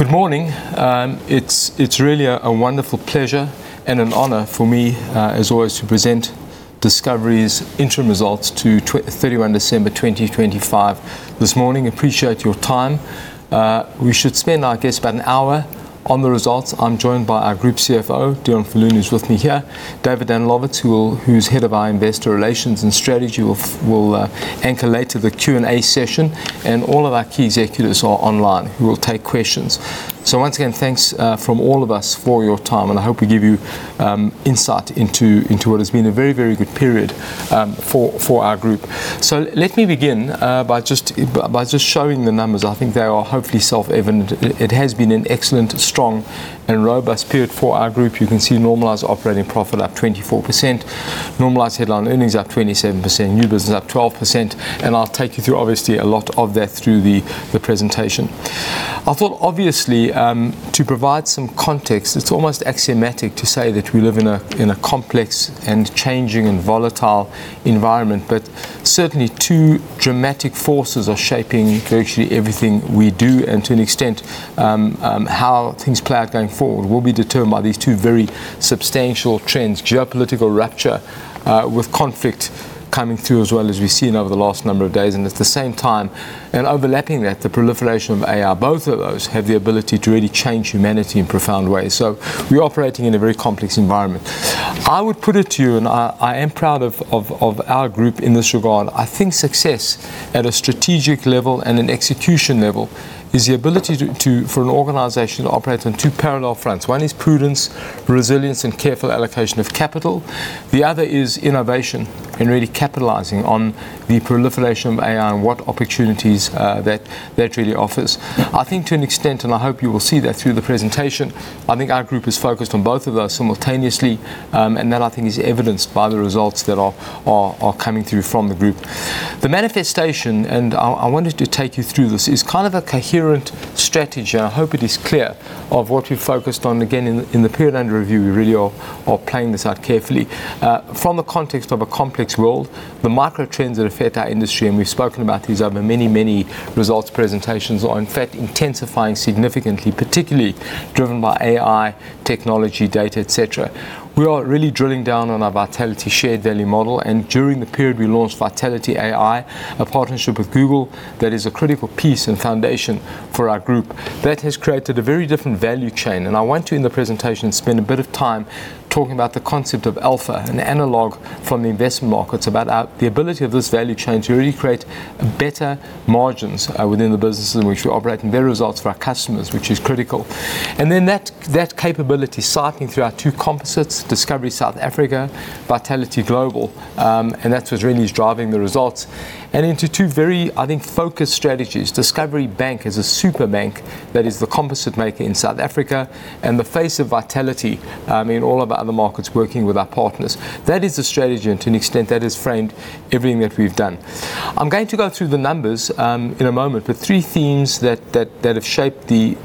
Good morning. It's really a wonderful pleasure and an honor for me, as always, to present Discovery's Interim Results to 31 December 2025 this morning. Appreciate your time. We should spend, I guess, about an hour on the results. I'm joined by our Group CFO, Deon Viljoen, who's with me here. David Danilowitz, who's Head of our Investor Relations and Strategy, will anchor later the Q&A session. All of our key executives are online, who will take questions. Once again, thanks from all of us for your time, and I hope we give you insight into what has been a very, very good period for our group. Let me begin by just showing the numbers. I think they are hopefully self-evident. It has been an excellent, strong, and robust period for our group. You can see Normalized Operating Profit up 24%, Normalized Headline Earnings up 27%, new business up 12%. I'll take you through obviously a lot of that through the presentation. I thought obviously, to provide some context, it's almost axiomatic to say that we live in a, in a complex and changing and volatile environment. Certainly two dramatic forces are shaping virtually everything we do, and to an extent, how things play out going forward will be determined by these two very substantial trends: geopolitical rupture, with conflict coming through as well as we've seen over the last number of days, and at the same time, and overlapping that, the proliferation of AI. Both of those have the ability to really change humanity in profound ways. We're operating in a very complex environment. I would put it to you, and I am proud of our group in this regard. I think success at a strategic level and an execution level is the ability for an organization to operate on two parallel fronts. One is prudence, resilience, and careful allocation of capital. The other is innovation and really capitalizing on the proliferation of AI and what opportunities that really offers. I think to an extent, and I hope you will see that through the presentation, I think our group is focused on both of those simultaneously, and that I think is evidenced by the results that are coming through from the group. The manifestation, and I wanted to take you through this, is kind of a coherent strategy, and I hope it is clear of what we've focused on. Again, in the period under review, we really are playing this out carefully. From the context of a complex world, the macro trends that affect our industry, and we've spoken about these over many, many results presentations, are in fact intensifying significantly, particularly driven by AI, technology, data, et cetera. We are really drilling down on our Vitality Shared-Value model, and during the period, we launched Vitality AI, a partnership with Google that is a critical piece and foundation for our group. That has created a very different value chain, and I want to, in the presentation, spend a bit of time talking about the concept of alpha, an analog from the investment markets about the ability of this value chain to really create better margins within the businesses in which we operate and better results for our customers, which is critical. Then that capability cycling through our two composites, Discovery South Africa, Vitality Global, and that's what really is driving the results. Into two very, I think, focused strategies. Discovery Bank is a super bank that is the composite maker in South Africa and the face of Vitality in all of our other markets working with our partners. That is the strategy, and to an extent, that has framed everything that we've done. I'm going to go through the numbers in a moment. The three themes that have shaped the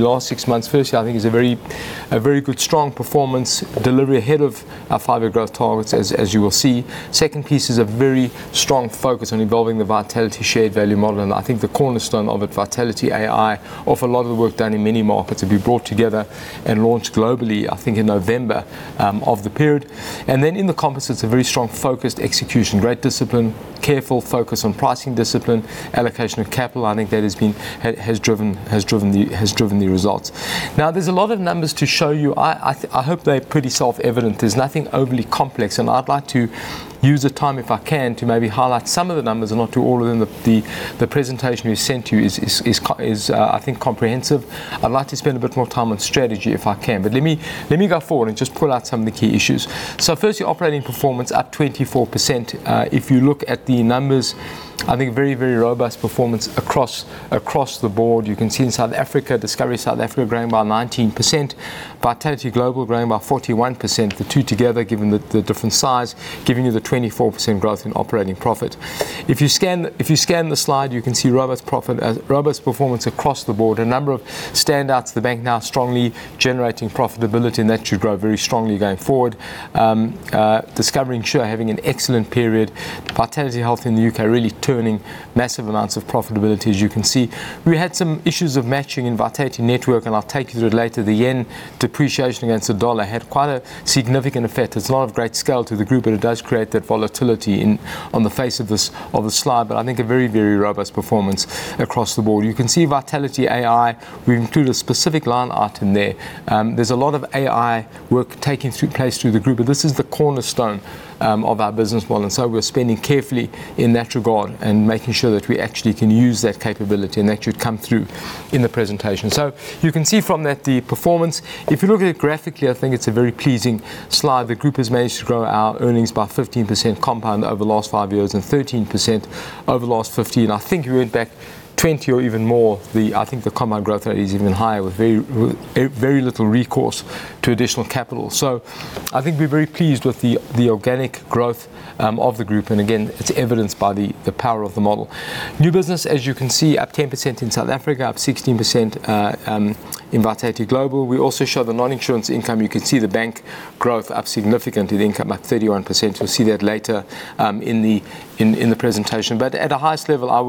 last six months. Firstly, I think it's a very good strong performance delivery ahead of our five-year growth targets, as you will see. Second piece is a very strong focus on evolving the Vitality Shared-Value model. I think the cornerstone of it, Vitality AI, of a lot of the work done in many markets will be brought together and launched globally, I think in November of the period. In the composites, a very strong focused execution. Great discipline, careful focus on pricing discipline, allocation of capital. I think that has driven the results. There's a lot of numbers to show you. I hope they're pretty self-evident. There's nothing overly complex, and I'd like to use the time, if I can, to maybe highlight some of the numbers and not do all of them. The presentation we sent to you is, I think comprehensive. I'd like to spend a bit more time on strategy if I can. Let me go forward and just pull out some of the key issues. Firstly, operating performance up 24%. If you look at the numbers, I think very robust performance across the board. You can see in South Africa, Discovery South Africa growing by 19%. Vitality Global growing by 41%. The two together, given the different size, giving you the 24% growth in operating profit. If you scan the slide, you can see robust profit, robust performance across the board. A number of standouts. The bank now strongly generating profitability, and that should grow very strongly going forward. Discovery Insure having an excellent period. Vitality Health in the U.K. really turning massive amounts of profitability, as you can see. We had some issues of matching in Vitality Network, and I'll take you through it later. The yen depreciation against the dollar had quite a significant effect. It's not of great scale to the group, but it does create that volatility on the face of this, of the slide. I think a very, very robust performance across the board. You can see Vitality AI. We've included a specific line item there. There's a lot of AI work taking through place through the group, but this is the cornerstone of our business model, and so we're spending carefully in that regard and making sure that we actually can use that capability, and that should come through in the presentation. You can see from that the performance. If you look at it graphically, I think it's a very pleasing slide. The group has managed to grow our earnings by 15% compound over the last five years and 13% over the last 15. I think you went back 20 or even more, I think the compound growth rate is even higher with very little recourse to additional capital. I think we're very pleased with the organic growth of the group, and again, it's evidenced by the power of the model. New business, as you can see, up 10% in South Africa, up 16% in Vitality Global. We also show the non-insurance income. You can see the Bank growth up significantly, the income up 31%. We'll see that later in the presentation. At the highest level, I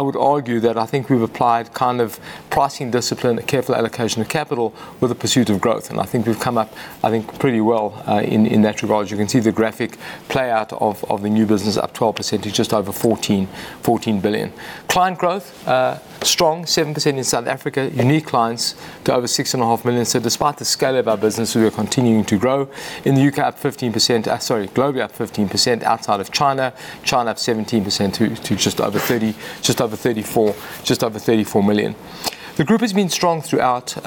would argue that I think we've applied kind of pricing discipline, careful allocation of capital with the pursuit of growth. I think we've come up, I think, pretty well in that regard. You can see the graphic play out of the new business up 12% to just over 14 billion. Client growth, strong, 7% in South Africa. Unique clients to over 6.5 million. Despite the scale of our business, we are continuing to grow. In the U.K. up 15%, sorry, globally up 15% outside of China. China up 17% to just over 34 million. The group has been strong throughout.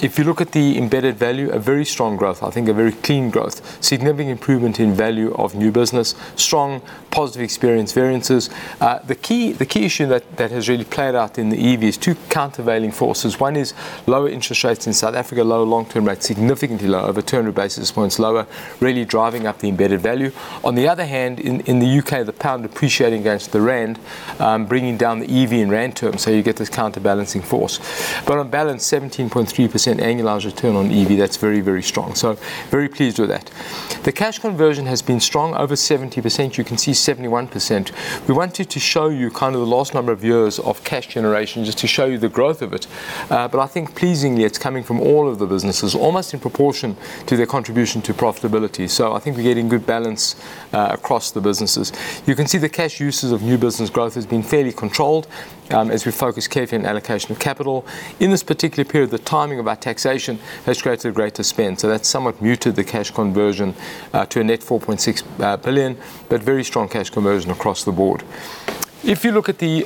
If you look at the embedded value, a very strong growth, I think a very clean growth. Significant improvement in Value of New Business. Strong positive experience variances. The key issue that has really played out in the EV is two countervailing forces. One is lower interest rates in South Africa, lower long-term rates, significantly lower, over 200 basis points lower, really driving up the embedded value. On the other hand, in the U.K., the pound appreciating against the rand, bringing down the EV in rand terms. You get this counterbalancing force. On balance, 17.3% annual return on EV, that's very, very strong. Very pleased with that. The cash conversion has been strong, over 70%. You can see 71%. We wanted to show you kind of the last number of years of cash generation just to show you the growth of it. I think pleasingly, it's coming from all of the businesses, almost in proportion to their contribution to profitability. I think we're getting good balance across the businesses. You can see the cash uses of new business growth has been fairly controlled as we focus carefully on allocation of capital. In this particular period, the timing of our taxation has created a greater spend. That's somewhat muted the cash conversion to a net 4.6 billion, but very strong cash conversion across the board. If you look at the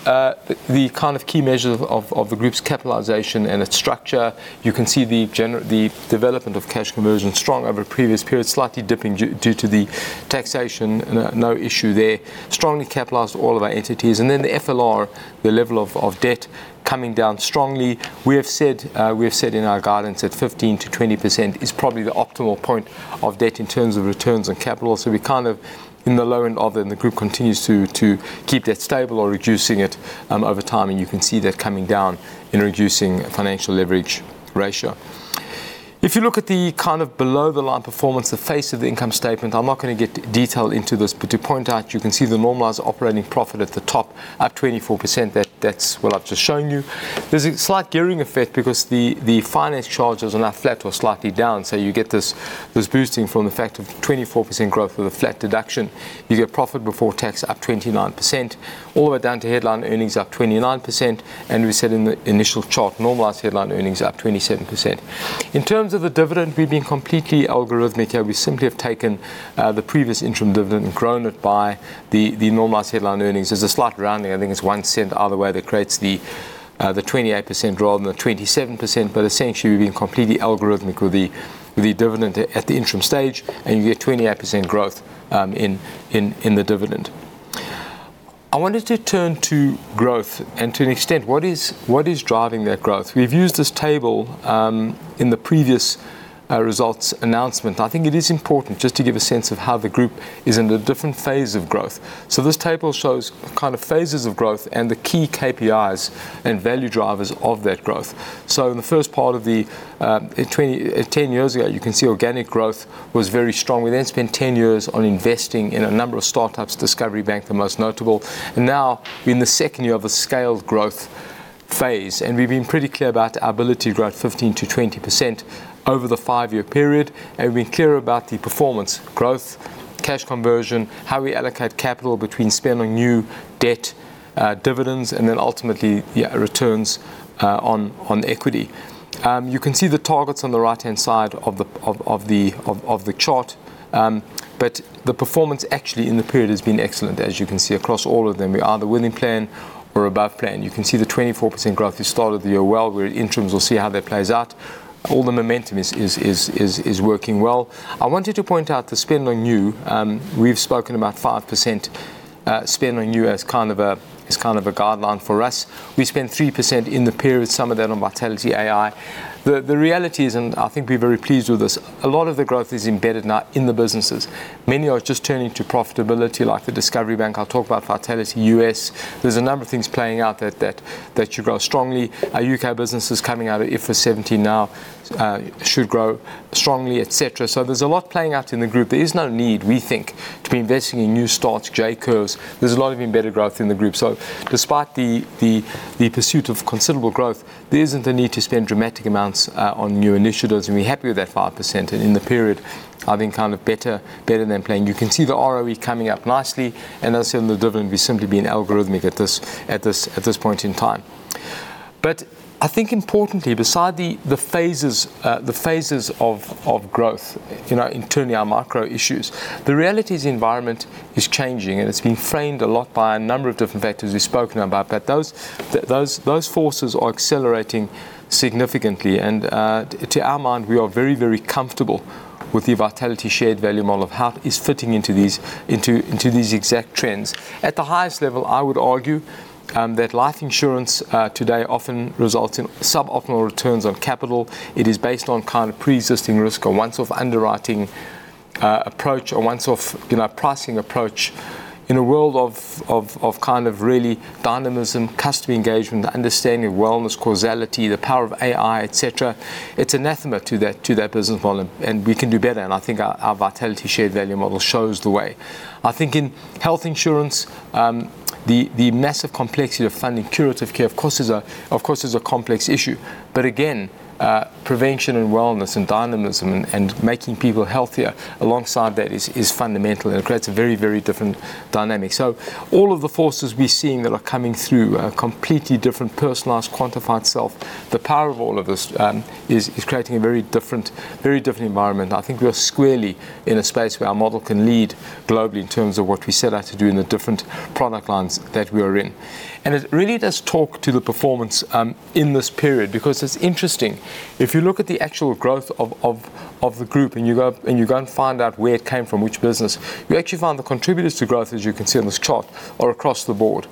kind of key measures of the group's capitalization and its structure, you can see the development of cash conversion strong over previous periods, slightly dipping due to the taxation. No issue there. Strongly capitalized all of our entities. The FLR, the level of debt coming down strongly. We have said in our guidance that 15%-20% is probably the optimal point of debt in terms of returns on capital. We're kind of in the low end of it, and the group continues to keep that stable or reducing it over time, and you can see that coming down in reducing financial leverage ratio. If you look at the kind of below-the-line performance, the face of the income statement, I'm not gonna get detailed into this, but to point out, you can see the Normalized Operating Profit at the top, up 24%. That's what I've just shown you. There's a slight gearing effect because the finance charges are now flat or slightly down, so you get this boosting from the fact of 24% growth with a flat deduction. You get profit before tax up 29%, all the way down to Headline Earnings up 29%. We said in the initial chart, Normalized Headline Earnings up 27%. In terms of the dividend, we've been completely algorithmic here. We simply have taken the previous interim dividend and grown it by the Normalized Headline Earnings. There's a slight rounding. I think it's 0.01 either way that creates the 28% rather than the 27%. Essentially, we've been completely algorithmic with the dividend at the interim stage, and you get 28% growth in the dividend. I wanted to turn to growth and to an extent, what is, what is driving that growth? We've used this table in the previous results announcement. I think it is important just to give a sense of how the group is in a different phase of growth. This table shows kind of phases of growth and the key KPIs and value drivers of that growth. In the first part of the ten years ago, you can see organic growth was very strong. We then spent 10 years on investing in a number of startups, Discovery Bank the most notable. Now we're in the second year of a scaled growth phase, we've been pretty clear about our ability to grow at 15%-20% over the five year period. We've been clear about the performance growth, cash conversion, how we allocate capital between spend on new debt, dividends, and then ultimately, yeah, returns on equity. You can see the targets on the right-hand side of the chart. The performance actually in the period has been excellent, as you can see across all of them. We are either within plan or above plan. You can see the 24% growth. We started the year well. We're at interims. We'll see how that plays out. All the momentum is working well. I wanted to point out the spend on new. We've spoken about 5% spend on new as kind of a guideline for us. We spent 3% in the period, some of that on Vitality AI. The reality is, and I think we're very pleased with this, a lot of the growth is embedded now in the businesses. Many are just turning to profitability like the Discovery Bank. I'll talk about Vitality U.S. There's a number of things playing out that should grow strongly. Our U.K. business is coming out of IFRS 17 now, should grow strongly, et cetera. There's a lot playing out in the group. There is no need, we think, to be investing in new starts, J curves. There's a lot of embedded growth in the group. Despite the pursuit of considerable growth, there isn't a need to spend dramatic amounts on new initiatives, and we're happy with that 5%. In the period, I think kind of better than plan. You can see the ROE coming up nicely, and as said on the dividend, we're simply being algorithmic at this point in time. I think importantly, beside the phases of growth, you know, internally our micro issues, the reality is the environment is changing, and it's been framed a lot by a number of different vectors we've spoken about. Those forces are accelerating significantly. To our mind, we are very, very comfortable with the Vitality Shared-Value model of how it is fitting into these exact trends. At the highest level, I would argue that life insurance today often results in suboptimal returns on capital. It is based on kind of pre-existing risk or once-off underwriting approach, a once off, you know, pricing approach. In a world of kind of really dynamism, customer engagement, understanding wellness causality, the power of AI, et cetera, it's anathema to that business volume, and we can do better. I think our Vitality Shared-Value model shows the way. I think in health insurance, the massive complexity of funding curative care, of course, is a complex issue. Again, prevention and wellness and dynamism and making people healthier alongside that is fundamental, and it creates a very, very different dynamic. All of the forces we're seeing that are coming through, a completely different personalized, quantified self, the power of all of this, is creating a very different, very different environment. I think we are squarely in a space where our model can lead globally in terms of what we set out to do in the different product lines that we are in. It really does talk to the performance in this period because it's interesting. If you look at the actual growth of the group and you go and find out where it came from, which business, you actually find the contributors to growth, as you can see on this chart, are across the board.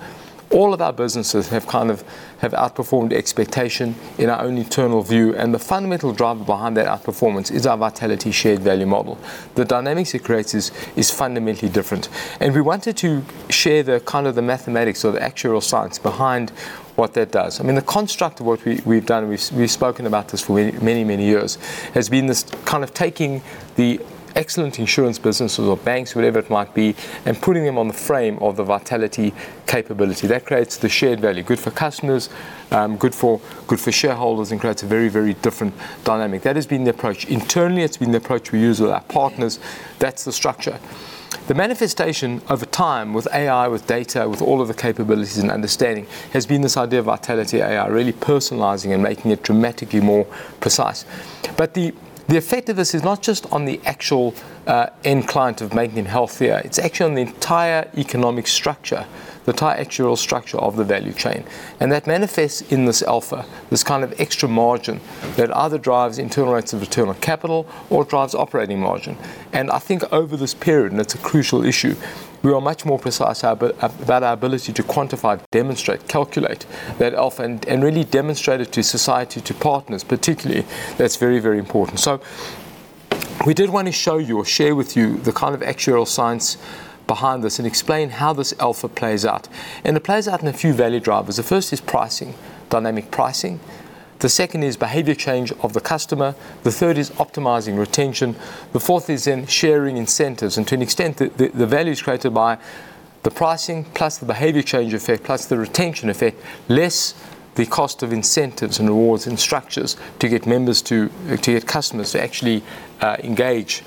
All of our businesses have kind of outperformed expectation in our own internal view, and the fundamental driver behind that outperformance is our Vitality Shared-Value model. The dynamics it creates is fundamentally different. And we wanted to share the kind of the mathematics or the actuarial science behind what that does. I mean, the construct of what we've done, and we've spoken about this for many, many years, has been this kind of taking the excellent insurance businesses or banks, whatever it might be, and putting them on the frame of the Vitality capability. That creates the shared value, good for customers, good for shareholders, and creates a very, very different dynamic. That has been the approach. Internally, it's been the approach we use with our partners. That's the structure. The manifestation over time with AI, with data, with all of the capabilities and understanding has been this idea of Vitality AI, really personalizing and making it dramatically more precise. But the effect of this is not just on the actual, end client of making them healthier. It's actually on the entire economic structure, the entire actuarial structure of the value chain. That manifests in this alpha, this kind of extra margin that either drives internal rates of return on capital or drives operating margin. I think over this period, and that's a crucial issue, we are much more precise how... about our ability to quantify, demonstrate, calculate that alpha and really demonstrate it to society, to partners, particularly. That's very, very important. We did want to show you or share with you the kind of actuarial science behind this and explain how this alpha plays out. It plays out in a few value drivers. The first is pricing, dynamic pricing. The second is behavior change of the customer. The third is optimizing retention. The fourth is in sharing incentives. To an extent, the value is created by the pricing plus the behavior change effect, plus the retention effect, less the cost of incentives and rewards and structures to get customers to actually engage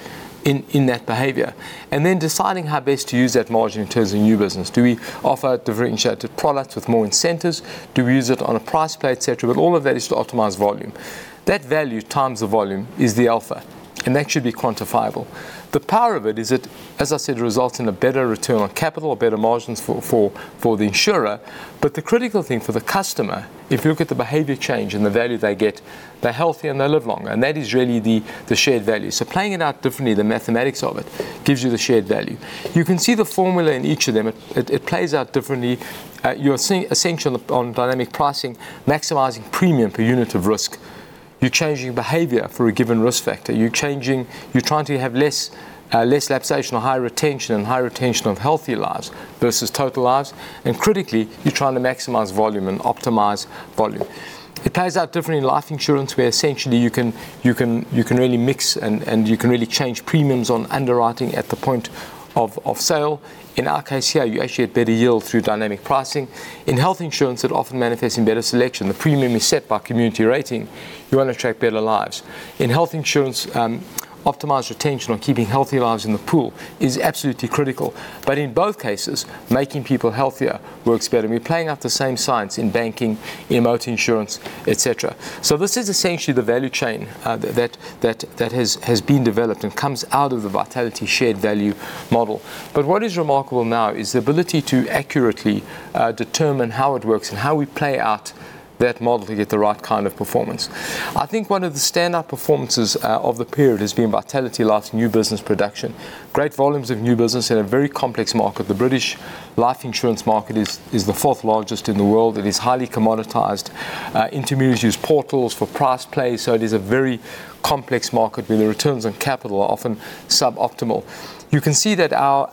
in that behavior. Then deciding how best to use that margin in terms of new business. Do we offer differentiated products with more incentives? Do we use it on a price play, et cetera? All of that is to optimize volume. That value times the volume is the alpha, and that should be quantifiable. The power of it is it, as I said, results in a better return on capital or better margins for the insurer. The critical thing for the customer, if you look at the behavior change and the value they get, they're healthier and they live longer. That is really the shared value. Playing it out differently, the mathematics of it gives you the shared value. You can see the formula in each of them. It plays out differently. You're seeing essentially on dynamic pricing, maximizing premium per unit of risk. You're changing behavior for a given risk factor. You're changing. You're trying to have less, less lapsation or higher retention and higher retention of healthier lives versus total lives. Critically, you're trying to maximize volume and optimize volume. It plays out differently in life insurance, where essentially you can really mix and you can really change premiums on underwriting at the point of sale. In our case here, you actually get better yield through dynamic pricing. In health insurance, it often manifests in better selection. The premium is set by community rating. You want to attract better lives. In health insurance, optimized retention on keeping healthier lives in the pool is absolutely critical. In both cases, making people healthier works better. We're playing out the same science in banking, in motor insurance, et cetera. This is essentially the value chain that has been developed and comes out of the Vitality Shared-Value model. What is remarkable now is the ability to accurately determine how it works and how we play out that model to get the right kind of performance. I think one of the standout performances of the period has been Vitality Life's new business production. Great volumes of new business in a very complex market. The British life insurance market is the fourth largest in the world. It is highly commoditized. Intermediaries use portals for price plays, it is a very complex market where the returns on capital are often suboptimal. You can see that our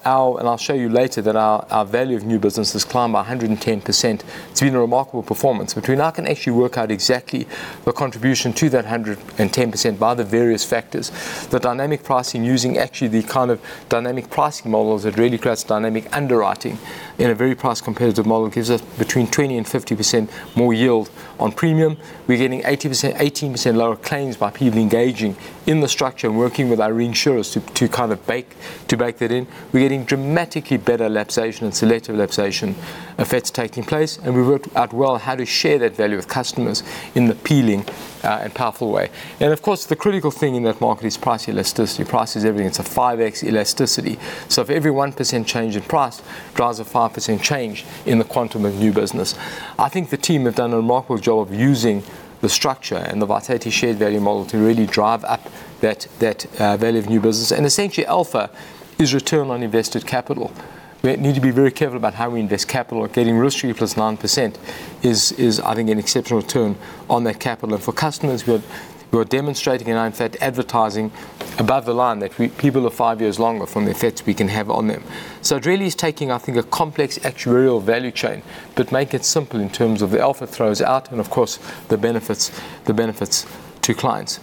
value of new business has climbed by 110%. It's been a remarkable performance. We now can actually work out exactly the contribution to that 110% by the various factors. The dynamic pricing using actually the kind of dynamic pricing models that really creates dynamic underwriting in a very price competitive model gives us between 20%-50% more yield on premium. We're getting 18% lower claims by people engaging in the structure and working with our reinsurers to kind of bake that in. We're getting dramatically better lapsation and selective lapsation effects taking place, and we worked out well how to share that value with customers in appealing and powerful way. Of course, the critical thing in that market is price elasticity. Price is everything. It's a 5x elasticity. For every 1% change in price drives a 5% change in the quantum of new business. I think the team have done a remarkable job of using the structure and the Vitality Shared-Value model to really drive up that value of new business. And essentially alpha is return on invested capital. We need to be very careful about how we invest capital. Getting risk-free +9% is I think an exceptional return on that capital. And for customers, we're demonstrating and in fact advertising above the line that people are five years longer from the effects we can have on them. It really is taking, I think, a complex actuarial value chain, but make it simple in terms of the alpha throws out and of course the benefits to clients.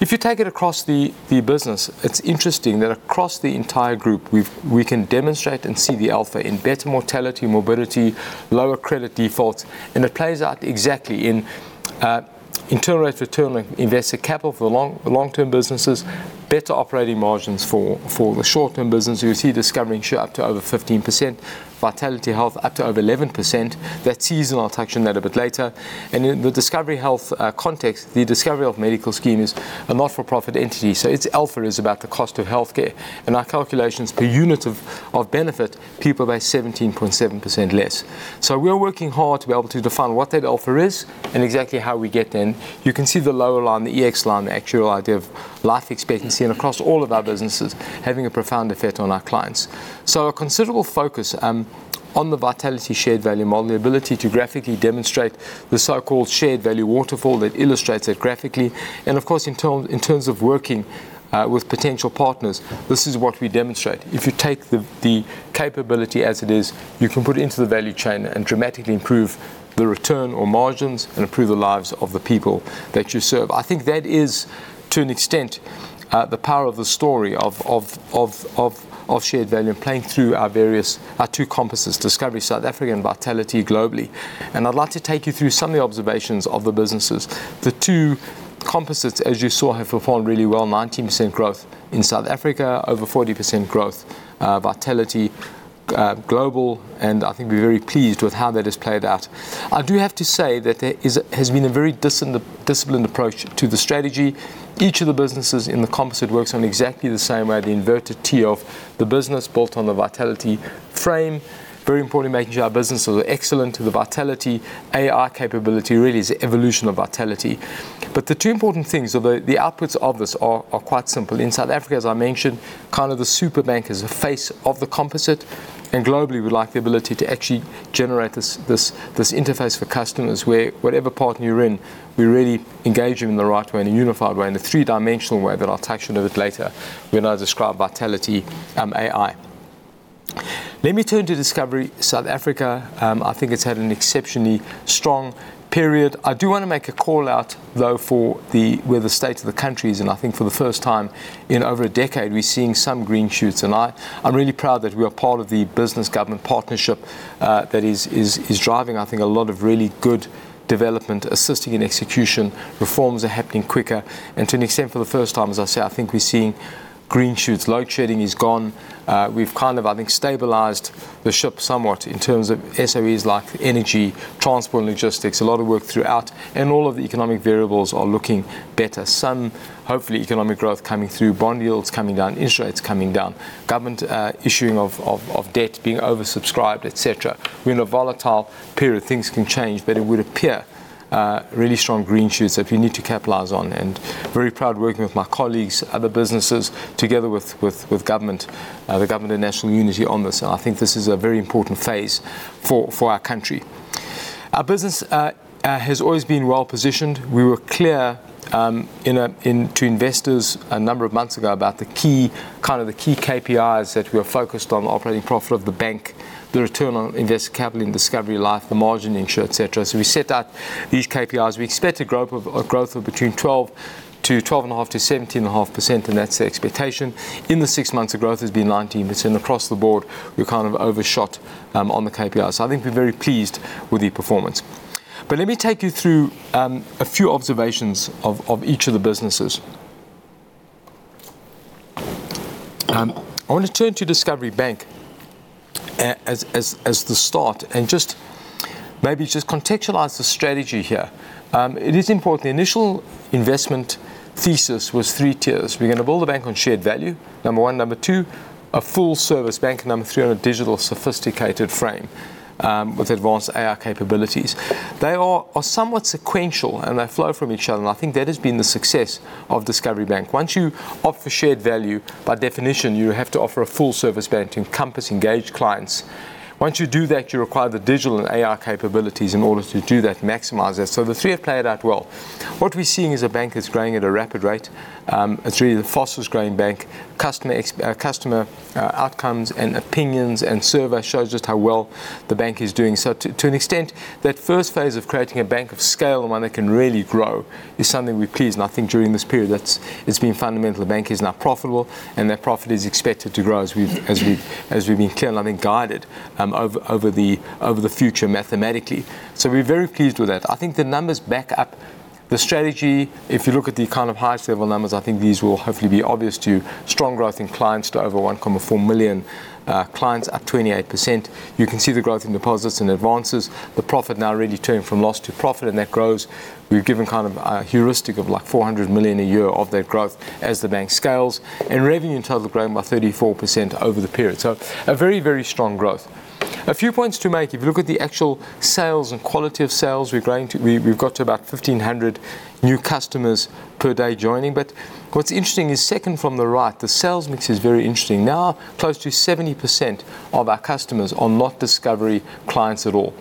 If you take it across the business, it's interesting that across the entire group, we can demonstrate and see the alpha in better mortality, morbidity, lower credit defaults. It plays out exactly in internal rate return on invested capital for the long, long-term businesses, better operating margins for the short-term business. You'll see Discovery Insure up to over 15%, Vitality Health up to over 11%. That's seasonal. I'll touch on that a bit later. In the Discovery Health context, the Discovery Health Medical Scheme is a not-for-profit entity. Its alpha is about the cost of healthcare. In our calculations, per unit of benefit, people pay 17.7% less. We are working hard to be able to define what that alpha is and exactly how we get there. You can see the lower line, the EX line, the actual idea of life expectancy and across all of our businesses having a profound effect on our clients. A considerable focus on the Vitality Shared-Value model, the ability to graphically demonstrate the so-called shared value waterfall that illustrates that graphically. Of course, in terms of working with potential partners, this is what we demonstrate. If you take the capability as it is, you can put it into the value chain and dramatically improve the return or margins and improve the lives of the people that you serve. I think that is, to an extent, the power of the story of shared value playing through our two composites, Discovery South Africa and Vitality globally. I'd like to take you through some of the observations of the businesses. The two composites, as you saw, have performed really well, 19% growth in South Africa, over 40% growth, Vitality Global. I think we're very pleased with how that has played out. I do have to say that there has been a very disciplined approach to the strategy. Each of the businesses in the composite works on exactly the same way, the inverted T of the business built on the Vitality frame. Very importantly, making sure our business is excellent to the Vitality AI capability really is the evolution of Vitality. The two important things or the outputs of this are quite simple. In South Africa, as I mentioned, kind of the super bank is the face of the composite. Globally, we like the ability to actually generate this interface for customers where whatever partner you're in, we really engage you in the right way, in a unified way, in a three-dimensional way that I'll touch on a bit later when I describe Vitality AI. Let me turn to Discovery South Africa. I think it's had an exceptionally strong period. I do want to make a call-out though for where the state of the country is. I think for the first time in over a decade, we're seeing some green shoots. I'm really proud that we are part of the business government partnership that is driving, I think, a lot of really good development, assisting in execution. Reforms are happening quicker. To an extent, for the first time, as I say, I think we're seeing green shoots. Load shedding is gone. We've kind of, I think, stabilized the ship somewhat in terms of SOEs like energy, transport, and logistics, a lot of work throughout, and all of the economic variables are looking better. Some, hopefully, economic growth coming through, bond yields coming down, insurance coming down, government, issuing of debt being oversubscribed, et cetera. We're in a volatile period. Things can change, but it would appear, really strong green shoots that we need to capitalize on. Very proud working with my colleagues, other businesses, together with government, the government of national unity on this. I think this is a very important phase for our country. Our business, has always been well-positioned. We were clear to investors a number of months ago about the key, kind of the key KPIs that we are focused on, the operating profit of the bank, the return on invested capital in Discovery Life, the margin in Insure, et cetera. We set out these KPIs. We expect a growth of between 12%-12.5% to 17.5%, and that's the expectation. In the six months, the growth has been 19%. Across the board, we've kind of overshot on the KPIs. I think we're very pleased with the performance. Let me take you through a few observations of each of the businesses. I want to turn to Discovery Bank as the start and just maybe just contextualize the strategy here. It is important. The initial investment thesis was three tiers. We're gonna build a bank on shared value, number one. Number two, a full-service bank. Number three, on a digital sophisticated frame, with advanced AI capabilities. They are somewhat sequential, and they flow from each other. I think that has been the success of Discovery Bank. Once you offer shared value, by definition, you have to offer a full-service bank to encompass engaged clients. Once you do that, you require the digital and AI capabilities in order to do that and maximize that. The three have played out well. What we're seeing is a bank that's growing at a rapid rate. It's really the fastest growing bank. Customer outcomes and opinions and surveys shows just how well the bank is doing. To an extent, that first phase of creating a bank of scale and one that can really grow is something we're pleased. I think during this period, it's been fundamental. The bank is now profitable, and that profit is expected to grow as we've been clear and I think guided over the future mathematically. We're very pleased with that. I think the numbers back up the strategy. If you look at the kind of highest level numbers, I think these will hopefully be obvious to you. Strong growth in clients to over 1.4 million clients, up 28%. You can see the growth in deposits and advances. The profit now really turning from loss to profit, and that grows. We've given kind of a heuristic of like 400 million a year of that growth as the bank scales. Revenue in total growing by 34% over the period. A very, very strong growth. A few points to make. If you look at the actual sales and quality of sales, we've got to about 1,500 new customers per day joining. What's interesting is second from the right, the sales mix is very interesting. Now, close to 70% of our customers are not Discovery clients at all.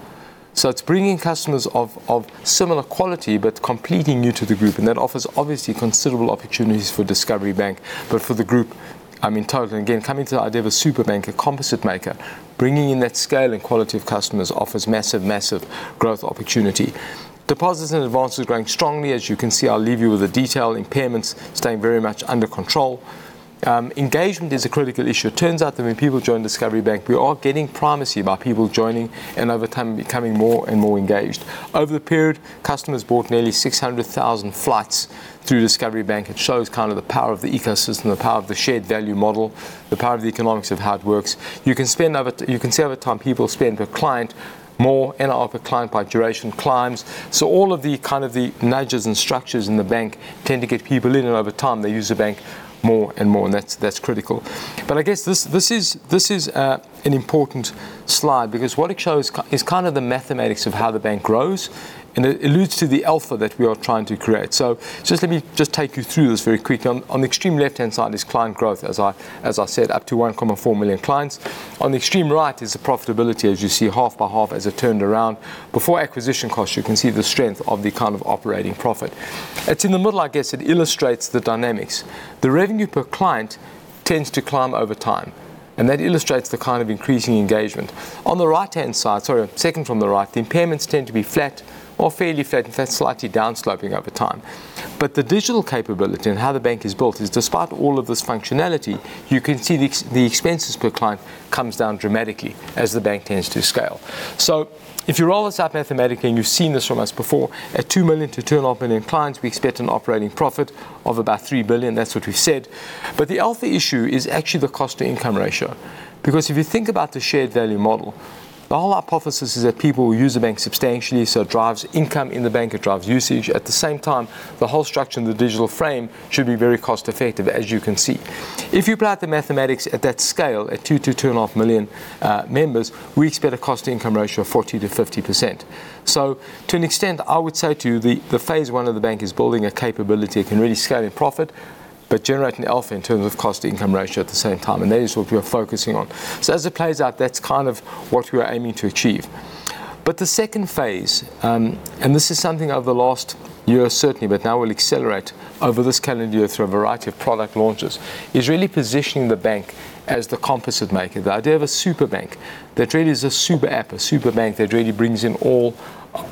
It's bringing customers of similar quality, but completely new to the group, and that offers obviously considerable opportunities for Discovery Bank. For the group, I mean, total. Again, coming to the idea of a super bank, a composite maker, bringing in that scale and quality of customers offers massive growth opportunity. Deposits and advances growing strongly, as you can see. I'll leave you with the detail. Impairments staying very much under control. Engagement is a critical issue. It turns out that when people join Discovery Bank, we are getting primacy by people joining and over time becoming more and more engaged. Over the period, customers bought nearly 600,000 flights through Discovery Bank. It shows kind of the power of the ecosystem, the power of the shared value model, the power of the economics of how it works. You can see over time, people spend per client more and ARPC client by duration climbs. All of the kind of the nudges and structures in the bank tend to get people in, and over time, they use the bank more and more, and that's critical. I guess this is an important slide because what it shows is kind of the mathematics of how the bank grows, and it alludes to the alpha that we are trying to create. Just let me just take you through this very quickly. On the extreme left-hand side is client growth, as I said, up to 1.4 million clients. On the extreme right is the profitability. As you see, half by half as it turned around. Before acquisition costs, you can see the strength of the kind of operating profit. It's in the middle, I guess, it illustrates the dynamics. The revenue per client tends to climb over time, and that illustrates the kind of increasing engagement. On the right-hand side, sorry, second from the right, the impairments tend to be flat or fairly flat. In fact, slightly down sloping over time. The digital capability and how Discovery Bank is built is despite all of this functionality, you can see the expenses per client comes down dramatically as Discovery Bank tends to scale. If you roll this up mathematically, and you've seen this from us before, at 2 million-2.5 million clients, we expect an operating profit of about 3 billion. That's what we've said. The alpha issue is actually the cost-to-income ratio. If you think about the Shared-Value Model, the whole hypothesis is that people will use the bank substantially, so it drives income in the bank, it drives usage. At the same time, the whole structure in the digital frame should be very cost-effective, as you can see. If you plot the mathematics at that scale, at 2 million-2.5 million members, we expect a cost-to-income ratio of 40%-50%. To an extent, I would say to you, the phase I of the bank is building a capability. It can really scale and profit but generate an alpha in terms of cost-to-income ratio at the same time, and that is what we are focusing on. As it plays out, that's kind of what we are aiming to achieve. The second phase, and this is something over the last year certainly, but now will accelerate over this calendar year through a variety of product launches, is really positioning the bank as the composite maker. The idea of a super bank that really is a super app, a super bank that really brings in all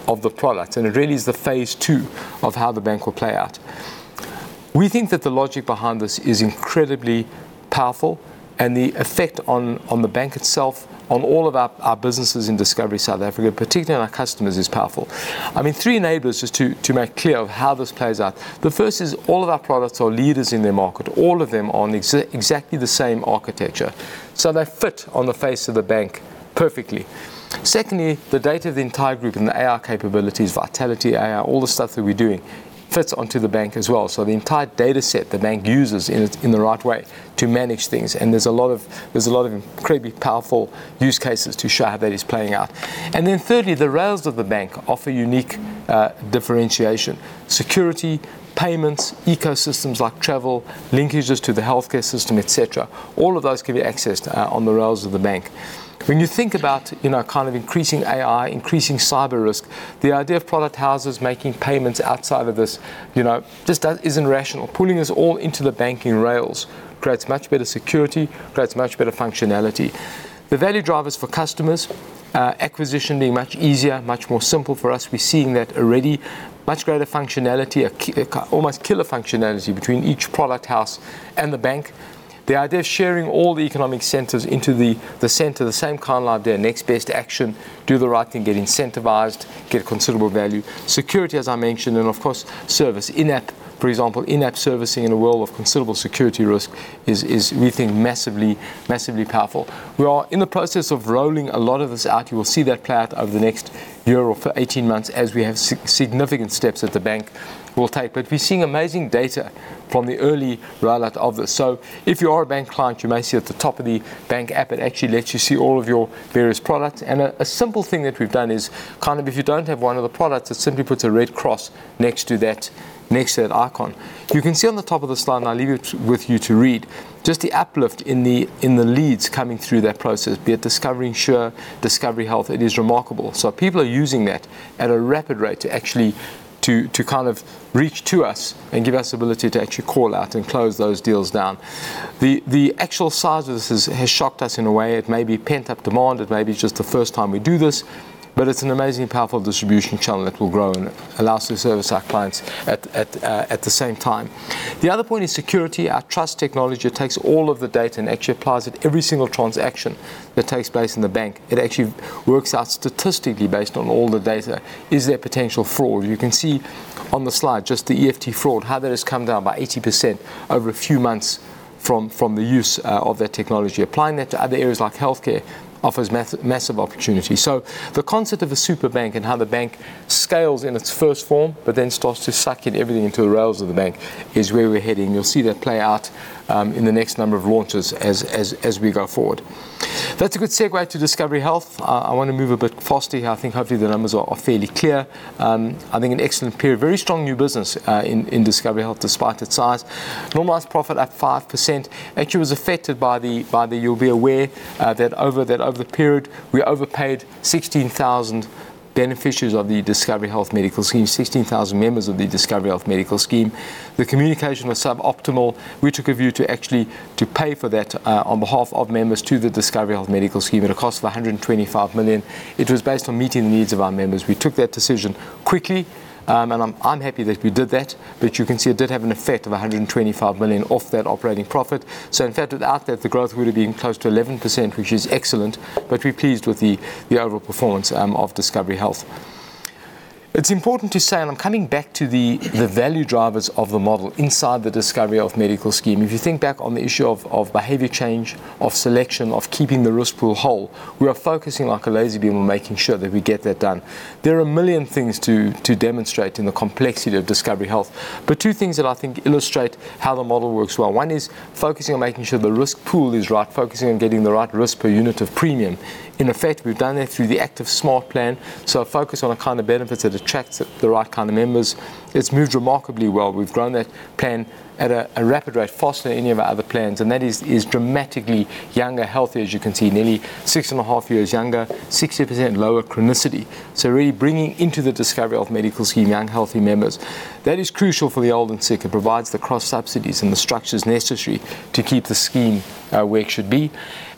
of the products, and it really is the phase II of how the bank will play out. We think that the logic behind this is incredibly powerful and the effect on the bank itself, on all of our businesses in Discovery South Africa, particularly on our customers, is powerful. I mean, three enablers just to make clear of how this plays out. The first is all of our products are leaders in their market. All of them are on exactly the same architecture, so they fit on the face of the bank perfectly. Secondly, the data of the entire group and the AI capabilities, Vitality AI, all the stuff that we're doing, fits onto the bank as well. The entire data set the bank uses in the right way to manage things, and there's a lot of incredibly powerful use cases to show how that is playing out. Thirdly, the rails of the bank offer unique differentiation. Security, payments, ecosystems like travel, linkages to the healthcare system, et cetera. All of those can be accessed on the rails of the bank. When you think about, you know, kind of increasing AI, increasing cyber risk, the idea of product houses making payments outside of this, you know, isn't rational. Pulling this all into the banking rails creates much better security, creates much better functionality. The value drivers for customers, acquisition being much easier, much more simple for us. We're seeing that already. Much greater functionality, almost killer functionality between each product house and the bank. The idea of sharing all the economic centers into the center, the same kind of idea. Next best action, do the right thing, get incentivized, get considerable value. Security, as I mentioned, and of course, service. In-app, for example, in-app servicing in a world of considerable security risk is we think, massively powerful. We are in the process of rolling a lot of this out. You will see that play out over the next year or for 18 months as we have significant steps that the bank will take. We're seeing amazing data from the early roll out of this. If you are a Bank client, you may see at the top of the Bank app, it actually lets you see all of your various products. A simple thing that we've done is kind of if you don't have one of the products, it simply puts a red cross next to that icon. You can see on the top of the slide, and I'll leave it with you to read, just the uplift in the leads coming through that process, be it Discovery Insure, Discovery Health, it is remarkable. People are using that at a rapid rate to actually kind of reach to us and give us ability to actually call out and close those deals down. The actual size of this has shocked us in a way. It may be pent-up demand, it may be just the first time we do this, but it's an amazing, powerful distribution channel that will grow and allow us to service our clients at the same time. The other point is security. Our trust technology, it takes all of the data and actually applies it every single transaction that takes place in the bank. It actually works out statistically based on all the data. Is there potential fraud? You can see on the slide just the EFT fraud, how that has come down by 80% over a few months from the use of that technology. Applying that to other areas like healthcare offers massive opportunity. The concept of a super bank and how the bank scales in its first form but then starts to suck in everything into the rails of the bank is where we're heading. You'll see that play out in the next number of launches as we go forward. That's a good segue to Discovery Health. I wanna move a bit faster here. I think hopefully the numbers are fairly clear. I think an excellent period. Very strong new business in Discovery Health despite its size. Normalized profit up 5%. Actually was affected by the. You'll be aware that over the period, we overpaid 16,000 beneficiaries of the Discovery Health Medical Scheme, 16,000 members of the Discovery Health Medical Scheme. The communication was suboptimal. We took a view to actually pay for that on behalf of members to the Discovery Health Medical Scheme at a cost of 125 million. It was based on meeting the needs of our members. We took that decision quickly, and I'm happy that we did that, but you can see it did have an effect of 125 million off that operating profit. In fact, without that, the growth would have been close to 11%, which is excellent, but we're pleased with the overall performance of Discovery Health. It's important to say, I'm coming back to the value drivers of the model inside the Discovery Health Medical Scheme. If you think back on the issue of behavior change, of selection, of keeping the risk pool whole, we are focusing like a laser beam on making sure that we get that done. Two things that I think illustrate how the model works well. One is focusing on making sure the risk pool is right, focusing on getting the right risk per unit of premium. In effect, we've done that through the Active Smart plan, a focus on the kind of benefits that attracts the right kind of members. It's moved remarkably well. We've grown that plan at a rapid rate, faster than any of our other plans. That is dramatically younger, healthier, as you can see. Nearly six and a half years younger, 60% lower chronicity. Really bringing into the Discovery Health Medical Scheme young, healthy members. That is crucial for the old and sick. It provides the cross-subsidies and the structures necessary to keep the scheme where it should be.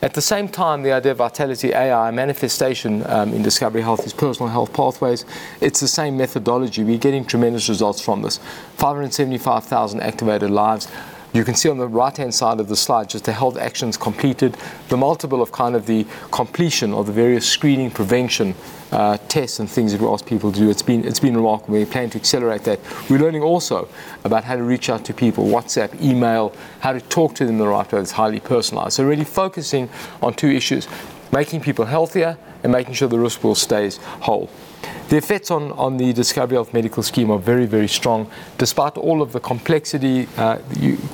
At the same time, the idea of Vitality AI manifestation in Discovery Health is Personal Health Pathways. It's the same methodology. We're getting tremendous results from this. 575,000 activated lives. You can see on the right-hand side of the slide just the health actions completed. The multiple of kind of the completion of the various screening prevention tests and things that we ask people to do. It's been remarkable. We plan to accelerate that. We're learning also about how to reach out to people, WhatsApp, email, how to talk to them the right way that's highly personalized. Really focusing on two issues, making people healthier and making sure the risk pool stays whole. The effects on the Discovery Health Medical Scheme are very, very strong. Despite all of the complexity,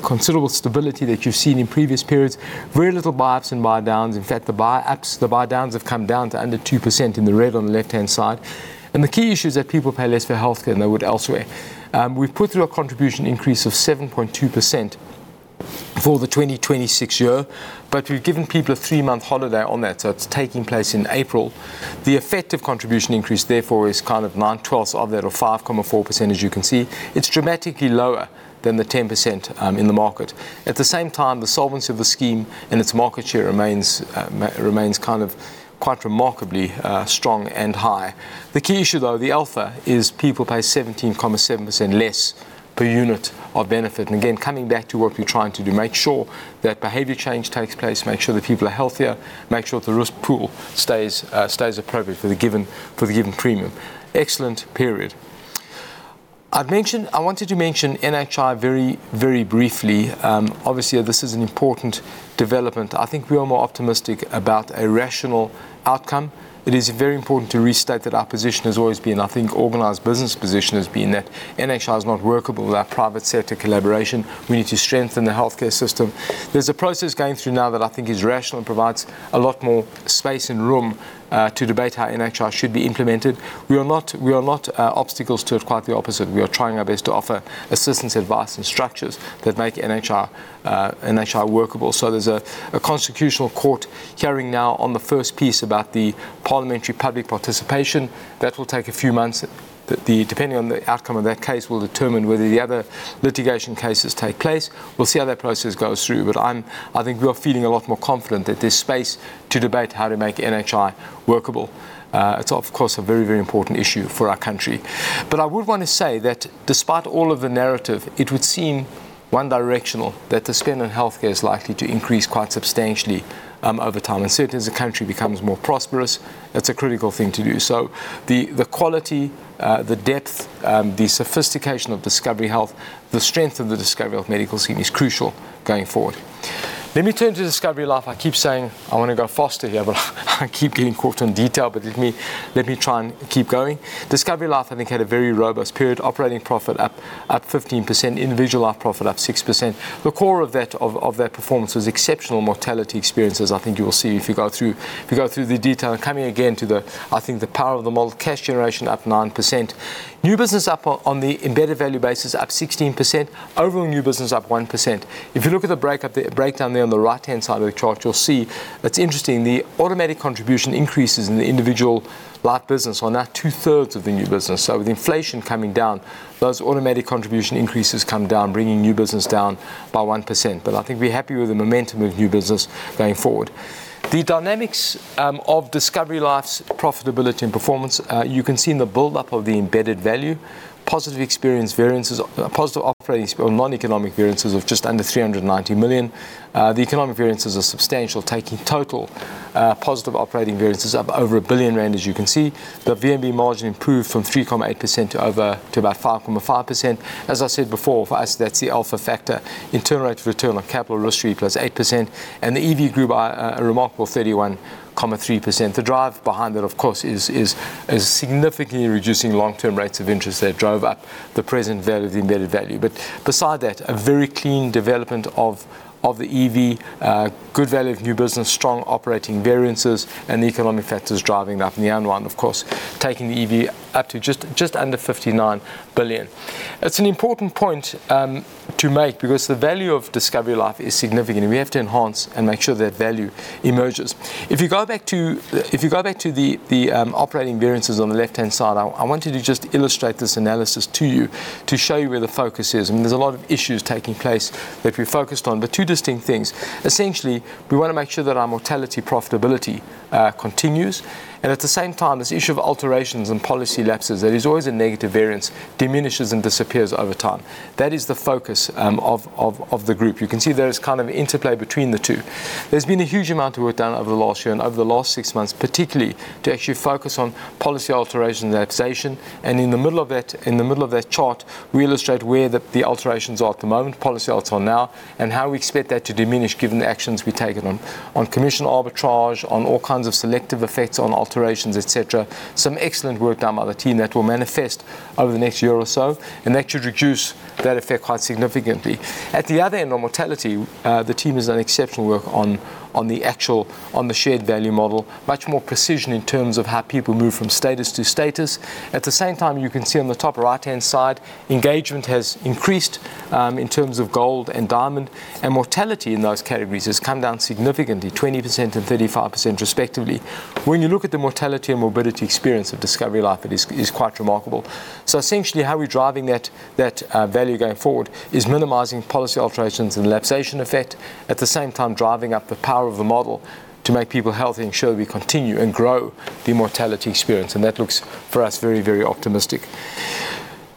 considerable stability that you've seen in previous periods, very little buyups and buydowns. In fact, the buydowns have come down to under 2% in the red on the left-hand side. The key issue is that people pay less for healthcare than they would elsewhere. We've put through a contribution increase of 7.2% for the 2026 year, we've given people a three month holiday on that, it's taking place in April. The effective contribution increase therefore is kind of nine-twelfths of that or 5.4% as you can see. It's dramatically lower than the 10% in the market. At the same time, the solvency of the scheme and its market share remains quite remarkably strong and high. The key issue though, the alpha, is people pay 17.7% less per unit of benefit. Again, coming back to what we're trying to do, make sure that behavior change takes place, make sure that people are healthier, make sure that the risk pool stays appropriate for the given, for the given premium. Excellent period. I wanted to mention NHI very, very briefly. Obviously this is an important development. I think we are more optimistic about a rational outcome. It is very important to restate that our position has always been, I think organized business position has been that NHI is not workable without private sector collaboration. We need to strengthen the healthcare system. There's a process going through now that I think is rational and provides a lot more space and room to debate how NHI should be implemented. We are not obstacles to it, quite the opposite. We are trying our best to offer assistance, advice and structures that make NHI workable. There's a constitutional court hearing now on the first piece about the parliamentary public participation. That will take a few months. Depending on the outcome of that case will determine whether the other litigation cases take place. We'll see how that process goes through, but I think we are feeling a lot more confident that there's space to debate how to make NHI workable. It's of course a very, very important issue for our country. I would want to say that despite all of the narrative, it would seem one directional that the spend on healthcare is likely to increase quite substantially over time. Certainly as the country becomes more prosperous, that's a critical thing to do. The, the quality, the depth, the sophistication of Discovery Health, the strength of the Discovery Health Medical Scheme is crucial going forward. Let me turn to Discovery Life. I keep saying I wanna go faster here, but I keep getting caught on detail, but let me try and keep going. Discovery Life I think had a very robust period. Operating profit up 15%. Individual life profit up 6%. The core of that, of that performance was exceptional mortality experiences. I think you will see if you go through the detail. Coming again to the, I think, the power of the model. Cash generation up 9%. New business up on the embedded value basis, up 16%. Overall new business up 1%. If you look at the breakdown there on the right-hand side of the chart, you'll see that's interesting. The automatic contribution increases in the individual life business are now 2/3 of the new business. With inflation coming down, those automatic contribution increases come down, bringing new business down by 1%. I think we're happy with the momentum of new business going forward. The dynamics of Discovery Life's profitability and performance, you can see in the build-up of the embedded value. Positive experience variances, positive operating non-economic variances of just under 390 million. The economic variances are substantial, taking total positive operating variances of over 1 billion rand as you can see. The VNB margin improved from 3.8% to about 5.5%. As I said before, for us that's the alpha factor. Internal rate of return on capital +3%, +8%. The EV grew by a remarkable 31.3%. The drive behind that, of course, is significantly reducing long-term rates of interest that drove up the present value of the Embedded Value. Beside that, a very clean development of the EV, good Value of New Business, strong operating variances, and the economic factors driving that from the unwind, of course, taking the EV up to just under 59 billion. It's an important point to make because the value of Discovery Life is significant, and we have to enhance and make sure that value emerges. If you go back to the operating variances on the left-hand side, I wanted to just illustrate this analysis to you to show you where the focus is. I mean, there's a lot of issues taking place that we're focused on. Two distinct things. Essentially, we wanna make sure that our mortality profitability continues. At the same time, this issue of alterations and policy lapses, there is always a negative variance, diminishes and disappears over time. That is the focus of the group. You can see there is kind of interplay between the two. There's been a huge amount of work done over the last year and over the last six months, particularly to actually focus on policy alteration and relaxation. In the middle of that, in the middle of that chart, we illustrate where the alterations are at the moment, policy alts are now, and how we expect that to diminish given the actions we've taken on. On commission arbitrage, on all kinds of selective effects, on alterations, et cetera. Some excellent work done by the team that will manifest over the next year or so, and that should reduce that effect quite significantly. At the other end, on mortality, the team has done exceptional work on the shared value model. Much more precision in terms of how people move from status to status. You can see on the top right-hand side, engagement has increased in terms of gold and diamond. Mortality in those categories has come down significantly, 20% and 35% respectively. When you look at the mortality and morbidity experience of Discovery Life, it is quite remarkable. Essentially, how we're driving that value going forward is minimizing policy alterations and lapsation effect. Driving up the power of the model to make people healthy, ensure we continue and grow the mortality experience. That looks, for us, very, very optimistic.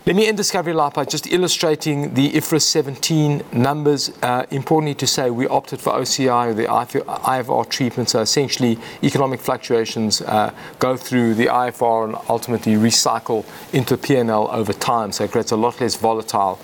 Let me end Discovery Life by just illustrating the IFRS 17 numbers. Importantly to say, we opted for OCI. The IFR treatments are essentially economic fluctuations, go through the IFR and ultimately recycle into P&L over time. It creates a lot less volatile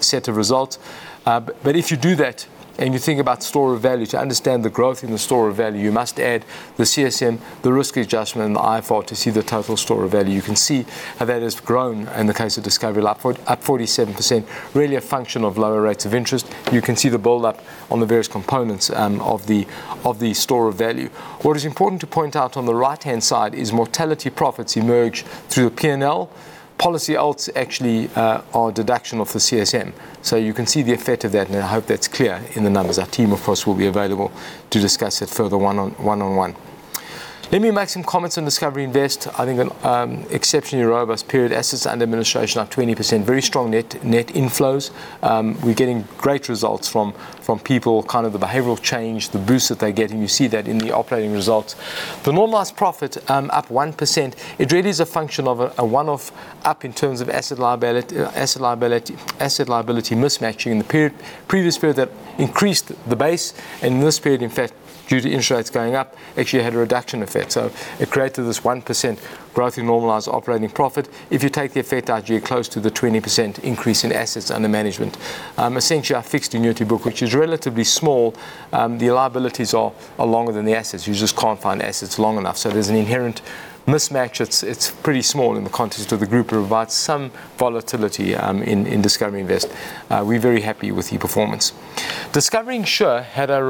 set of results. If you do that and you think about store of value, to understand the growth in the store of value, you must add the CSM, the Risk Adjustment, and the IFR to see the total store of value. You can see how that has grown in the case of Discovery Life at 47%. Really a function of lower rates of interest. You can see the build-up on the various components of the store of value. What is important to point out on the right-hand side is mortality profits emerge through P&L. Policy alts actually are a deduction of the CSM. You can see the effect of that, and I hope that's clear in the numbers. Our team, of course, will be available to discuss it further one on one. Let me make some comments on Discovery Invest. I think an exceptionally robust period. Assets under administration up 20%. Very strong net inflows. We're getting great results from people, kind of the behavioral change, the boost that they're getting. You see that in the operating results. The normalized profit up 1%. It really is a function of a one-off up in terms of asset liability mismatching in the period. Previous period that increased the base, and in this period, in fact, due to interest rates going up, actually had a reduction effect. It created this 1% growth in Normalized Operating Profit. If you take the effect out, you're close to the 20% increase in assets under management. Essentially our fixed annuity book, which is relatively small, the liabilities are longer than the assets. You just can't find assets long enough. There's an inherent mismatch. It's pretty small in the context of the group. It provides some volatility in Discovery Invest. We're very happy with the performance. Discovery Insure had a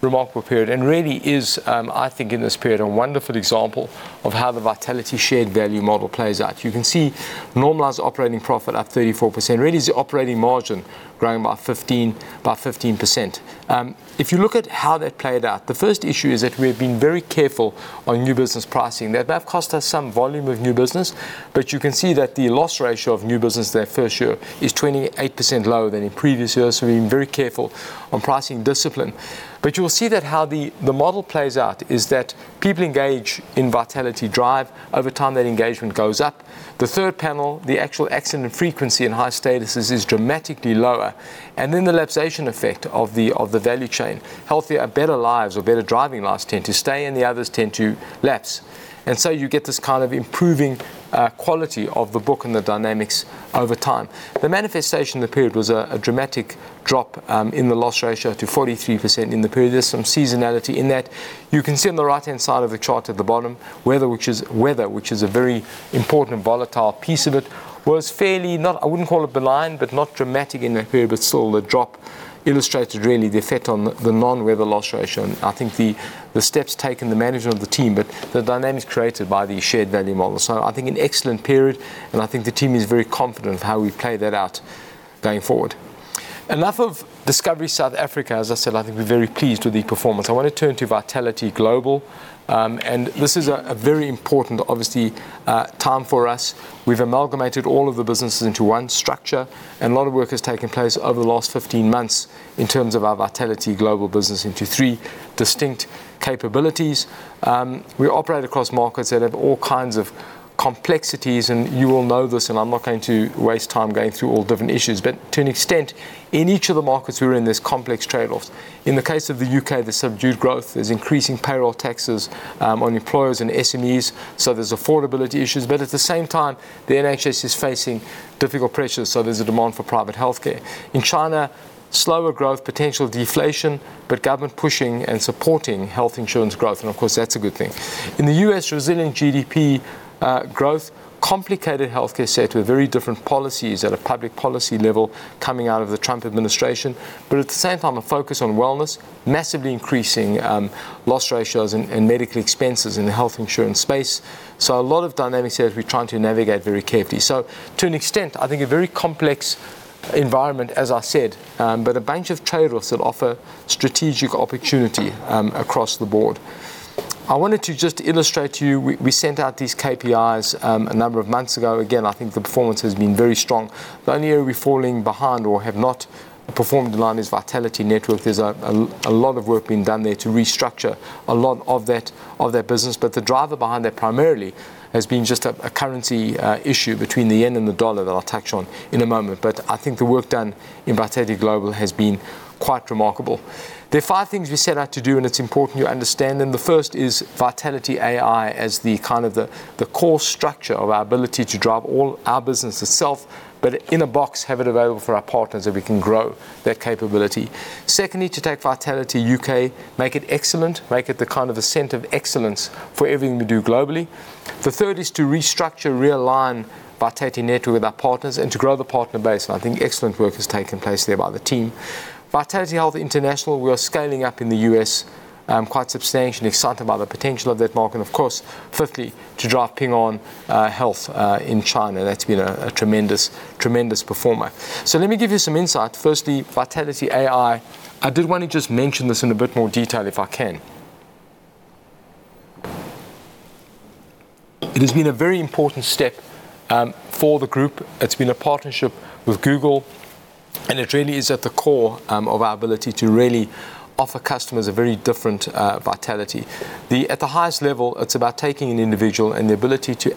remarkable period and really is, I think in this period, a wonderful example of how the Vitality shared value model plays out. You can see Normalized Operating Profit up 34%. Really is the operating margin growing by 15%. If you look at how that played out, the first issue is that we have been very careful on new business pricing. That cost us some volume of new business. You can see that the loss ratio of new business there for Insure is 28% lower than in previous years. We're being very careful on pricing discipline. You will see that how the model plays out is that people engage in Vitality Drive. Over time, that engagement goes up. The third panel, the actual accident frequency in high statuses is dramatically lower. The lapsation effect of the value chain. Healthier, better lives or better driving lives tend to stay, and the others tend to lapse. You get this kind of improving quality of the book and the dynamics over time. The manifestation in the period was a dramatic drop in the loss ratio to 43% in the period. There's some seasonality in that. You can see on the right-hand side of the chart at the bottom, weather, which is a very important volatile piece of it, was fairly not. I wouldn't call it benign, but not dramatic in that period. Still the drop illustrated really the effect on the non-weather loss ratio. I think the steps taken, the management of the team, but the dynamic is created by the Shared-Value model. I think an excellent period, and I think the team is very confident of how we play that out going forward. Enough of Discovery South Africa. As I said, I think we're very pleased with the performance. I wanna turn to Vitality Global. This is a very important, obviously, time for us. We've amalgamated all of the businesses into one structure. A lot of work has taken place over the last 15 months in terms of our Vitality Global business into three distinct capabilities. We operate across markets that have all kinds of complexities, and you all know this, and I'm not going to waste time going through all different issues. To an extent, in each of the markets, we're in this complex trade-offs. In the case of the U.K., the subdued growth is increasing payroll taxes on employers and SMEs, so there's affordability issues. At the same time, the NHS is facing difficult pressures, so there's a demand for private healthcare. In China, slower growth, potential deflation, government pushing and supporting health insurance growth, and of course, that's a good thing. In the U.S., resilient GDP growth, complicated healthcare set with very different policies at a public policy level coming out of the Trump administration. At the same time, a focus on wellness, massively increasing loss ratios and medical expenses in the health insurance space. A lot of dynamics there that we're trying to navigate very carefully. To an extent, I think a very complex environment, as I said, but a bunch of trade-offs that offer strategic opportunity across the board. I wanted to just illustrate to you, we sent out these KPIs a number of months ago. Again, I think the performance has been very strong. The only area we're falling behind or have not performed in line is Vitality Network. There's a lot of work being done there to restructure a lot of that, of that business. The driver behind that primarily has been just a currency issue between the yen and the dollar that I'll touch on in a moment. I think the work done in Vitality Global has been quite remarkable. There are five things we set out to do, and it's important you understand them. The first is Vitality AI as the kind of the core structure of our ability to drive all our business itself, but in a box, have it available for our partners so we can grow that capability. Secondly, to take Vitality U.K., make it excellent, make it the kind of the center of excellence for everything we do globally. The third is to restructure, realign Vitality Network with our partners and to grow the partner base. I think excellent work has taken place there by the team. Vitality Health International, we are scaling up in the U.S., quite substantially, excited about the potential of that market. Of course, fifthly, to drive Ping An Health in China. That's been a tremendous performer. Let me give you some insight. Firstly, Vitality AI. I did want to just mention this in a bit more detail, if I can. It has been a very important step for the group. It's been a partnership with Google, and it really is at the core of our ability to really offer customers a very different Vitality. The... At the highest level, it's about taking an individual and the ability to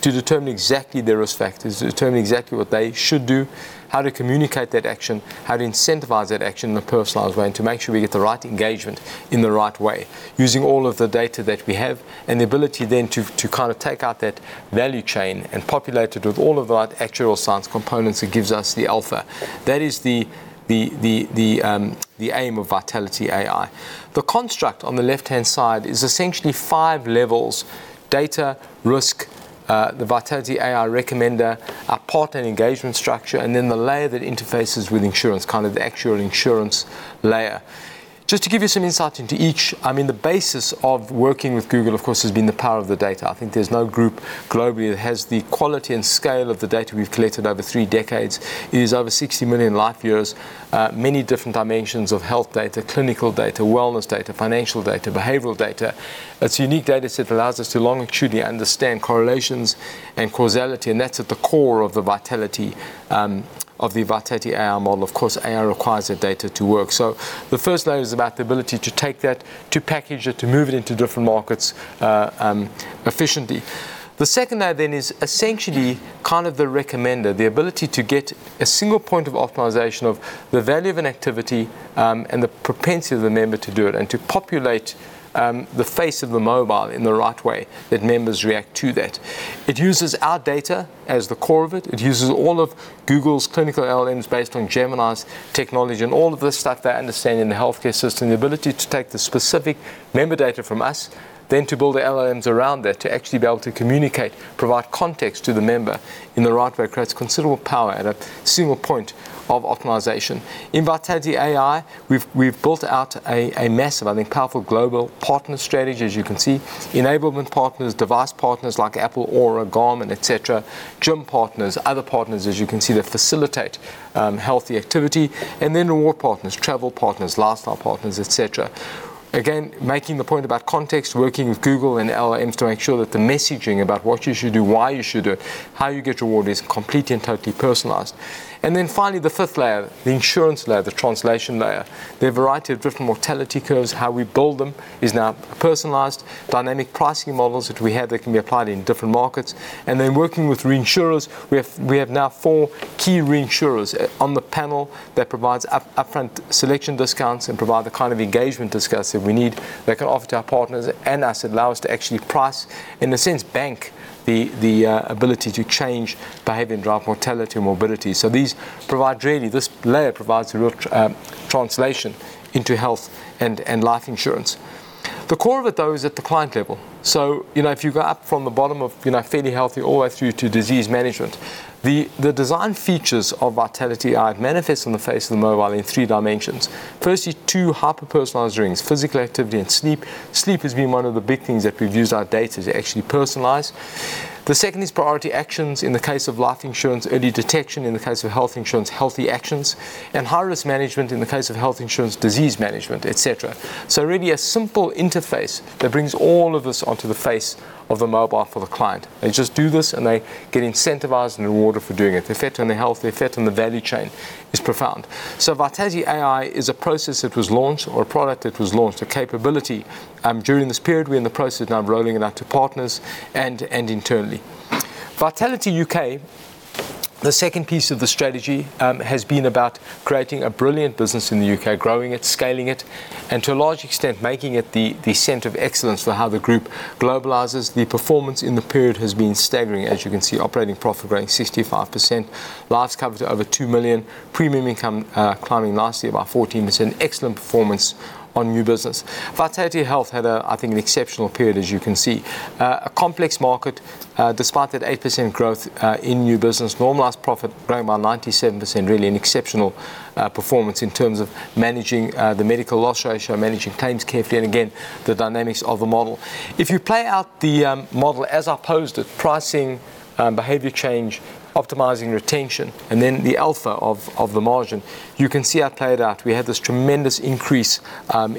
determine exactly their risk factors, to determine exactly what they should do, how to communicate that action, how to incentivize that action in a personalized way, and to make sure we get the right engagement in the right way using all of the data that we have, and the ability then to kind of take out that value chain and populate it with all of our actuarial science components that gives us the alpha. That is the aim of Vitality AI. The construct on the left-hand side is essentially five levels: data, risk, the Vitality AI recommender, our partner engagement structure, and then the layer that interfaces with insurance, kind of the actual insurance layer. Just to give you some insight into each, I mean, the basis of working with Google, of course, has been the power of the data. I think there's no group globally that has the quality and scale of the data we've collected over three decades. It is over 60 million life years, many different dimensions of health data, clinical data, wellness data, financial data, behavioral data. That's unique data set that allows us to longed truly understand correlations and causality, and that's at the core of the Vitality, of the Vitality AI model. Of course, AI requires the data to work. The first layer is about the ability to take that, to package it, to move it into different markets efficiently. The second layer then is essentially kind of the recommender, the ability to get a single point of optimization of the value of an activity, and the propensity of the member to do it, and to populate the face of the mobile in the right way that members react to that. It uses our data as the core of it. It uses all of Google's clinical LLMs based on Gemini's technology and all of the stuff they understand in the healthcare system, the ability to take the specific member data from us, then to build the LLMs around that to actually be able to communicate, provide context to the member in the right way creates considerable power at a single point of optimization. In Vitality AI, we've built out a massive, I think, powerful global partner strategy, as you can see. Enablement partners, device partners like Apple, Ōura, Garmin, et cetera. Gym partners, other partners, as you can see, that facilitate healthy activity. Reward partners, travel partners, lifestyle partners, et cetera. Again, making the point about context, working with Google and LLMs to make sure that the messaging about what you should do, why you should do it, how you get rewarded, is completely and totally personalized. Finally, the fifth layer, the insurance layer, the translation layer. The variety of different mortality curves, how we build them is now personalized. Dynamic pricing models that we have that can be applied in different markets. Working with reinsurers. We have now four key reinsurers on the panel that provides upfront selection discounts and provide the kind of engagement discounts that we need that can offer to our partners and us allow us to actually price, in a sense, bank the ability to change behavior and drive mortality and morbidity. This layer provides the real translation into health and life insurance. The core of it, though, is at the client level. You know, if you go up from the bottom of, you know, fairly healthy all the way through to disease management, the design features of Vitality are manifest on the face of the mobile in three dimensions. Firstly, two hyper-personalized rings, physical activity and sleep. Sleep has been one of the big things that we've used our data to actually personalize. The second is priority actions. In the case of life insurance, early detection. In the case of health insurance, healthy actions. High-risk management. In the case of health insurance, disease management, et cetera. Really a simple interface that brings all of this onto the face of the mobile for the client. They just do this, and they get incentivized and rewarded for doing it. The effect on their health, the effect on the value chain is profound. Vitality AI is a process that was launched or a product that was launched, a capability, during this period. We're in the process now of rolling it out to partners and internally. Vitality U.K. The second piece of the strategy has been about creating a brilliant business in the U.K., growing it, scaling it, and to a large extent, making it the center of excellence for how the group globalizes. The performance in the period has been staggering, as you can see, operating profit growing 65%, lives covered to over 2 million, premium income climbing nicely about 14%. Excellent performance on new business. Vitality Health had I think an exceptional period, as you can see. A complex market, despite that 8% growth in new business. Normalized profit growing by 97%, really an exceptional performance in terms of managing the medical loss ratio, managing claims carefully, and again, the dynamics of the model. If you play out the model as opposed to pricing, behavior change, optimizing retention, and then the alpha of the margin, you can see how it played out. We had this tremendous increase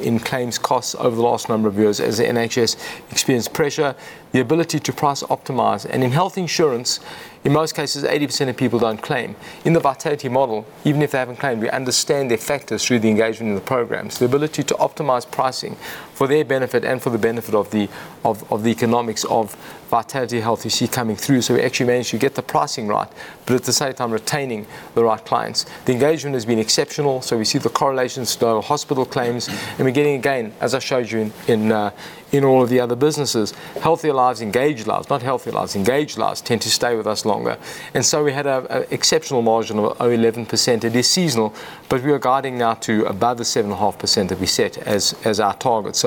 in claims costs over the last number of years as the NHS experienced pressure. The ability to price optimize and in health insurance, in most cases, 80% of people don't claim. In the Vitality model, even if they haven't claimed, we understand their factors through the engagement in the programs. The ability to optimize pricing for their benefit and for the benefit of the economics of Vitality Health you see coming through. We actually managed to get the pricing right, but at the same time retaining the right clients. The engagement has been exceptional, we see the correlation to the hospital claims, and we're getting, again, as I showed you in all of the other businesses, healthier lives, engaged lives. Not healthier lives, engaged lives tend to stay with us longer. We had a exceptional margin of 11%. It is seasonal, we are guiding now to above the 7.5% that we set as our target.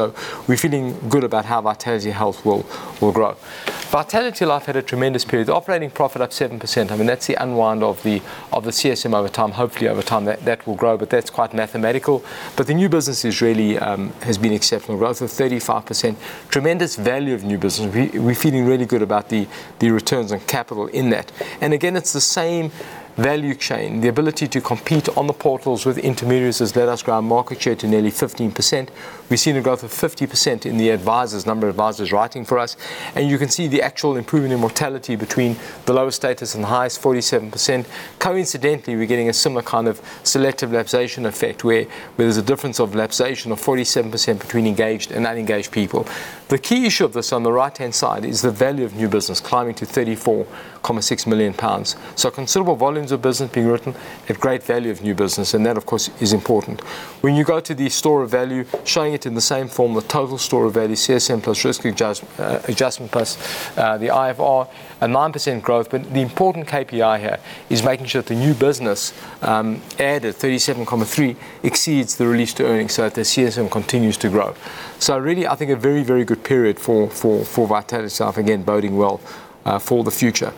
We're feeling good about how Vitality Health will grow. Vitality Life had a tremendous period. Operating profit up 7%. I mean, that's the unwind of the CSM over time. Hopefully, over time that will grow, but that's quite mathematical. The new business is really has been exceptional. Growth of 35%. Tremendous Value of New Business. We're feeling really good about the returns on capital in that. Again, it's the same value chain. The ability to compete on the portals with intermediaries has let us grow our market share to nearly 15%. We've seen a growth of 50% in the advisors, number of advisors writing for us. You can see the actual improvement in mortality between the lowest status and the highest, 47%. Coincidentally, we're getting a similar kind of selective lapsation effect where there's a difference of lapsation of 47% between engaged and unengaged people. The key issue of this on the right-hand side is the Value of New Business climbing to 34.6 million pounds. Considerable volumes of business being written at great Value of New Business, and that, of course, is important. When you go to the store of value, showing it in the same form, the total store of value, CSM plus Risk Adjustment plus the IFR, a 9% growth. The important KPI here is making sure that the new business added 37.3 million, exceeds the release to earnings, the CSM continues to grow. Really, I think a very, very good period for Vitality Life, again, boding well for the future.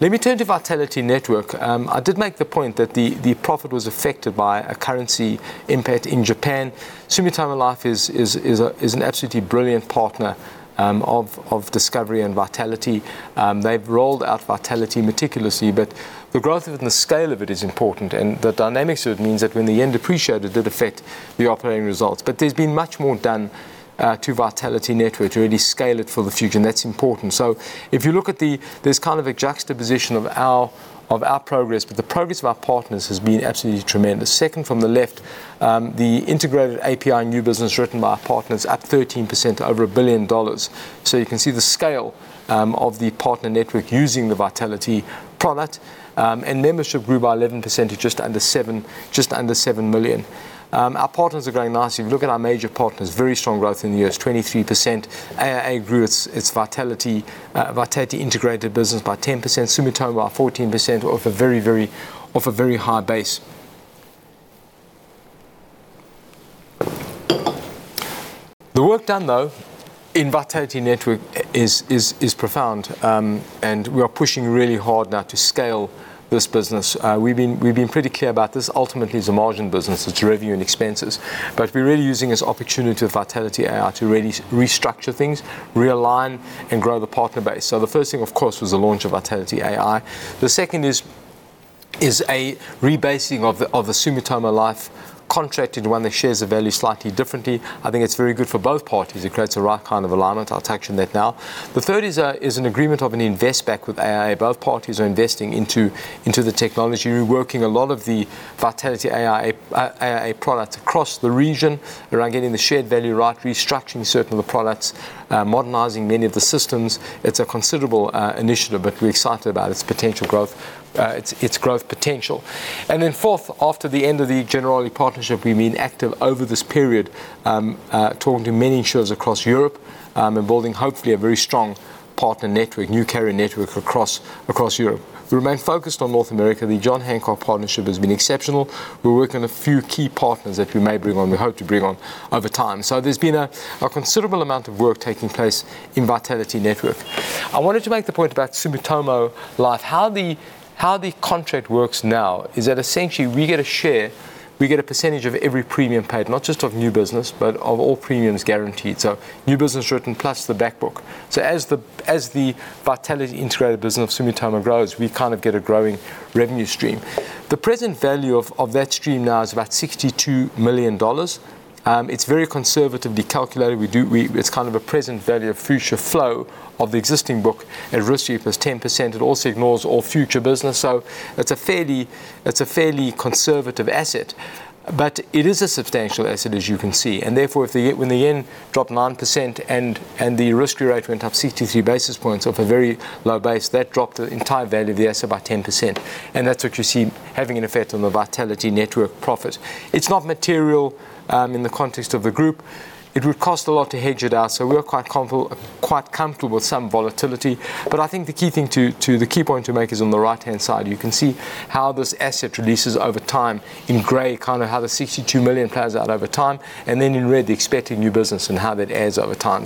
Let me turn to Vitality Network. I did make the point that the profit was affected by a currency impact in Japan. Sumitomo Life is an absolutely brilliant partner of Discovery and Vitality. They've rolled out Vitality meticulously, but the growth of it and the scale of it is important, and the dynamics of it means that when the yen depreciated, it did affect the operating results. There's been much more done to Vitality Network to really scale it for the future, and that's important. If you look, there's kind of a juxtaposition of our, of our progress, but the progress of our partners has been absolutely tremendous. Second from the left, the integrated API new business written by our partners at 13% over $1 billion. You can see the scale of the partner network using the Vitality product. Membership grew by 11% to just under 7 million. Our partners are growing nicely. If you look at our major partners, very strong growth in the U.S., 23%. AIA grew its Vitality integrated business by 10%. Sumitomo up 14% off a very high base. The work done, though, in Vitality Network is profound. We are pushing really hard now to scale this business. We've been pretty clear about this ultimately is a margin business. It's revenue and expenses. We're really using this opportunity of Vitality AI to really restructure things, realign, and grow the partner base. The first thing, of course, was the launch of Vitality AI. The second is a rebasing of the Sumitomo Life contract into one that shares the value slightly differently. I think it's very good for both parties. It creates the right kind of alignment. I'll touch on that now. The third is an agreement of an invest back with AIA. Both parties are investing into the technology. We're working a lot of the Vitality AI product across the region around getting the shared value right, restructuring certain of the products, modernizing many of the systems. It's a considerable initiative, but we're excited about its potential growth, its growth potential. Fourth, after the end of the Generali partnership, we've been active over this period, talking to many insurers across Europe, and building hopefully a very strong partner network, new carrier network across Europe. We remain focused on North America. The John Hancock partnership has been exceptional. We're working on a few key partners that we may bring on, we hope to bring on over time. There's been a considerable amount of work taking place in Vitality Network. I wanted to make the point about Sumitomo Life. How the contract works now is that essentially we get a share, we get a percentage of every premium paid, not just of new business, but of all premiums guaranteed. New business written plus the back book. As the Vitality integrated business of Sumitomo grows, we kind of get a growing revenue stream. The present value of that stream now is about $62 million. It's very conservatively calculated. It's kind of a present value of future flow of the existing book at risk-free +10%. It also ignores all future business. It's a fairly conservative asset, but it is a substantial asset, as you can see. Therefore, when the yen dropped 9% and the risk-free rate went up 63 basis points off a very low base, that dropped the entire value of the asset by 10%. That's what you see having an effect on the Vitality Network profit. It's not material in the context of the group. It would cost a lot to hedge it out, so we're quite comfortable with some volatility. I think the key point to make is on the right-hand side. You can see how this asset reduces over time in gray, kind of how the 62 million plays out over time, and then in red, the expected new business and how that adds over time.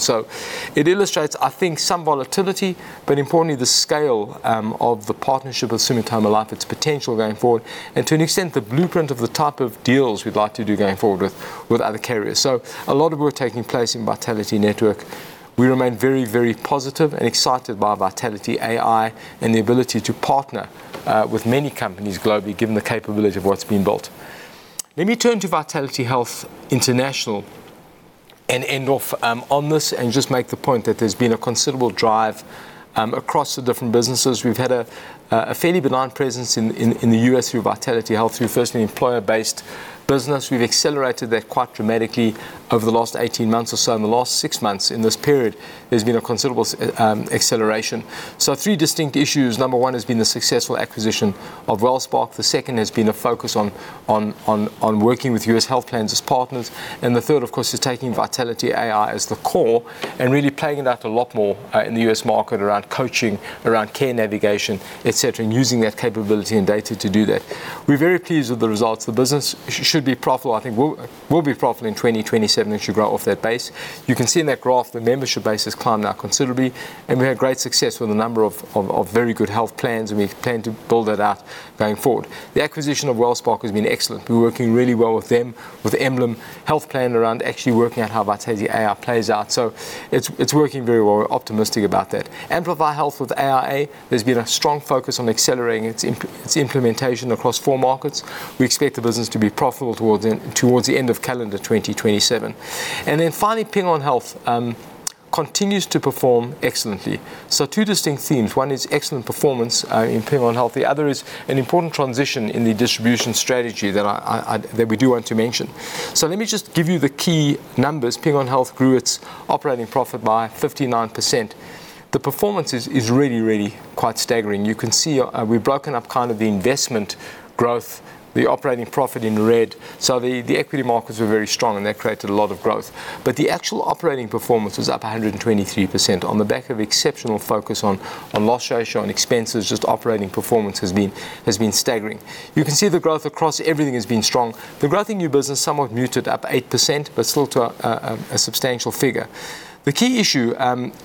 It illustrates, I think, some volatility, but importantly the scale of the partnership with Sumitomo Life, its potential going forward, and to an extent, the blueprint of the type of deals we'd like to do going forward with other carriers. A lot of work taking place in Vitality Network. We remain very, very positive and excited by Vitality AI and the ability to partner with many companies globally, given the capability of what's been built. Let me turn to Vitality Health International and end off on this and just make the point that there's been a considerable drive across the different businesses. We've had a fairly benign presence in the U.S. through Vitality Health, through firstly employer-based business. We've accelerated that quite dramatically over the last 18 months or so. In the last six months in this period, there's been a considerable acceleration. Three distinct issues. Number one has been the successful acquisition of WellSpark. The second has been a focus on working with U.S. health plans as partners. The third, of course, is taking Vitality AI as the core and really playing that a lot more in the U.S. market around coaching, around care navigation, et cetera, and using that capability and data to do that. We're very pleased with the results. The business should be profitable. I think will be profitable in 2027 and should grow off that base. You can see in that graph the membership base has climbed now considerably, and we've had great success with a number of very good health plans, and we plan to build that out going forward. The acquisition of WellSpark has been excellent. We're working really well with them, with EmblemHealth plan around actually working out how Vitality AI plays out. It's working very well. We're optimistic about that. Amplify Health with AIA, there's been a strong focus on accelerating its implementation across four markets. We expect the business to be profitable towards the end of calendar 2027. Finally, Ping An Health continues to perform excellently. Two distinct themes. One is excellent performance in Ping An Health. The other is an important transition in the distribution strategy that we do want to mention. Let me just give you the key numbers. Ping An Health grew its operating profit by 59%. The performance is really quite staggering. You can see, we've broken up kind of the investment growth, the operating profit in red. The equity markets were very strong, and that created a lot of growth. The actual operating performance was up 123% on the back of exceptional focus on loss ratio, on expenses. Just operating performance has been staggering. You can see the growth across everything has been strong. The growth in new business somewhat muted, up 8%, but still to a substantial figure. The key issue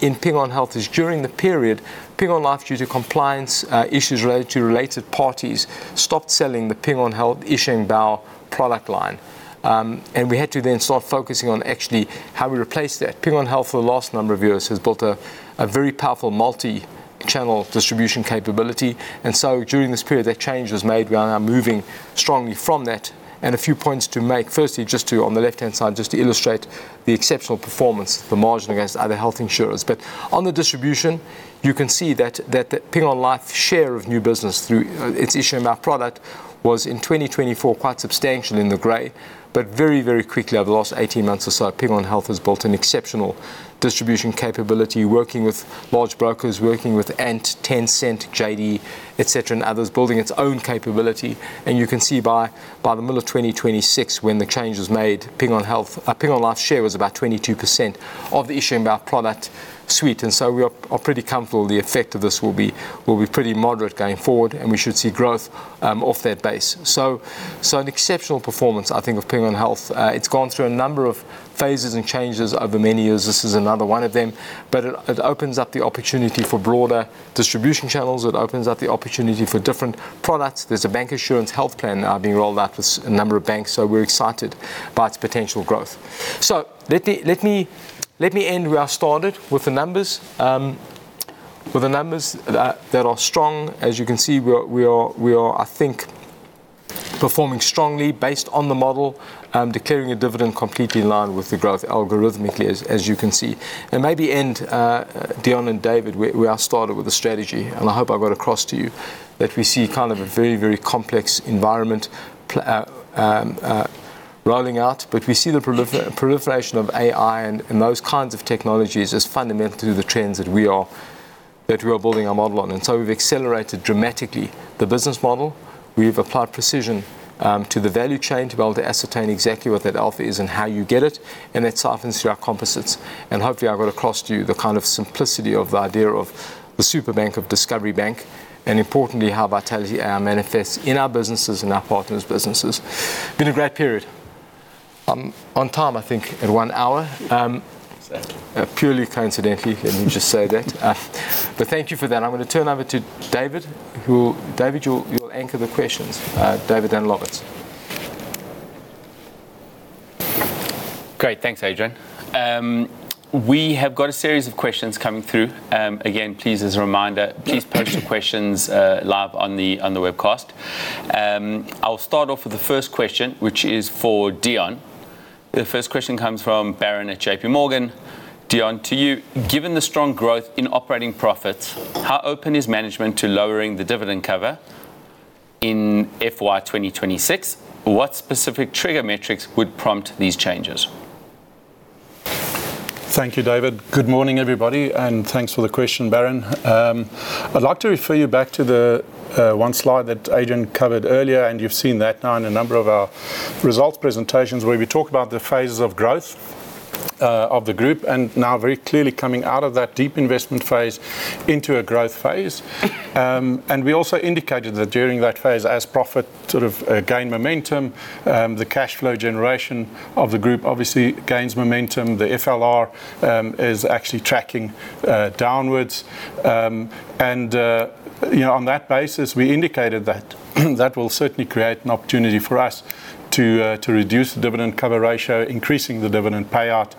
in Ping An Health is during the period, Ping An Life, due to compliance issues related to related parties, stopped selling the Ping An Health Yi Sheng Bao product line. We had to then start focusing on actually how we replace that. Ping An Health for the last number of years has built a very powerful multi-channel distribution capability. During this period, that change was made. We are now moving strongly from that. A few points to make. Firstly, on the left-hand side, to illustrate the exceptional performance, the margin against other health insurers. On the distribution, you can see that Ping An Life share of new business through its Yi Sheng Bao product was in 2024 quite substantial in the gray. Very, very quickly, over the last 18 months or so, Ping An Health has built an exceptional distribution capability, working with large brokers, working with Ant, Tencent, JD, et cetera, and others, building its own capability. You can see by the middle of 2026, when the change was made, Ping An Health, Ping An Life's share was about 22% of the Yi Sheng Bao product suite. We are pretty comfortable the effect of this will be pretty moderate going forward, and we should see growth off that base. An exceptional performance, I think, of Ping An Health. It's gone through a number of phases and changes over many years. This is another one of them. It opens up the opportunity for broader distribution channels. It opens up the opportunity for different products. There's a bank insurance health plan now being rolled out with a number of banks, so we're excited about its potential growth. Let me end where I started, with the numbers. With the numbers that are strong. As you can see, we are, I think, performing strongly based on the model, declaring a dividend completely in line with the growth algorithmically, as you can see. Maybe end Deon and David, where I started with the strategy. I hope I got across to you that we see kind of a very, very complex environment rolling out. We see the proliferation of AI and those kinds of technologies as fundamental to the trends that we are building our model on. We've accelerated dramatically the business model. We've applied precision to the value chain to be able to ascertain exactly what that alpha is and how you get it, and that softens through our composites. Hopefully, I got across to you the kind of simplicity of the idea of the super bank of Discovery Bank, and importantly, how Vitality AI manifests in our businesses and our partners' businesses. Been a great period. I'm on time, I think, at one hour. Exactly. Purely coincidentally. Let me just say that. Thank you for that. I'm gonna turn over to David, who David, you'll anchor the questions. David Danilowitz. Great. Thanks, Adrian. We have got a series of questions coming through. Again, please as a reminder, please post your questions live on the webcast. I'll start off with the first question, which is for Deon. The first question comes from Baron at JPMorgan. Deon, to you, given the strong growth in operating profits, how open is management to lowering the dividend cover in FY 2026? What specific trigger metrics would prompt these changes? Thank you, David. Good morning, everybody, thanks for the question, Baron. I'd like to refer you back to the one slide that Adrian covered earlier, and you've seen that now in a number of our results presentations, where we talk about the phases of growth of the group, and now very clearly coming out of that deep investment phase into a growth phase. We also indicated that during that phase, as profit sort of gain momentum, the cash flow generation of the group obviously gains momentum. The FLR is actually tracking downwards. You know, on that basis, we indicated that that will certainly create an opportunity for us to reduce the dividend cover ratio, increasing the dividend payout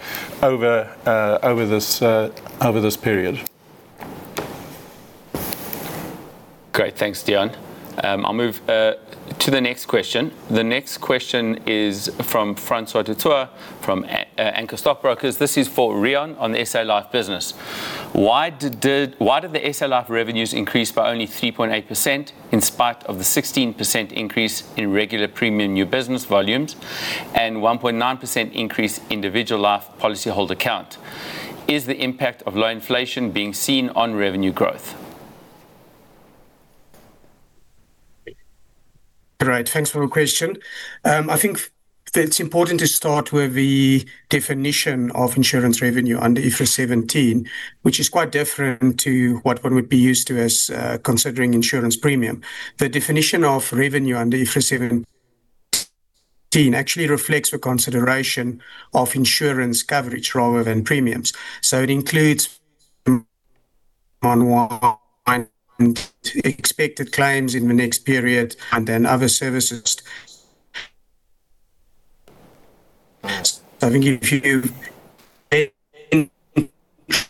over over this over this period. Great. Thanks, Deon. I'll move to the next question. The next question is from Francois du Toit from Anchor Stockbrokers. This is for Riaan on the SA Life business. Why did the SA Life revenues increase by only 3.8% in spite of the 16% increase in regular premium new business volumes and 1.9% increase individual life policyholder count? Is the impact of low inflation being seen on revenue growth? Great. Thanks for the question. I think it's important to start with the definition of Insurance Revenue under IFRS 17, which is quite different to what one would be used to as considering insurance premium. The definition of revenue under IFRS 17 actually reflects the consideration of insurance coverage rather than premiums. It includes expected claims in the next period and then other services. I think if you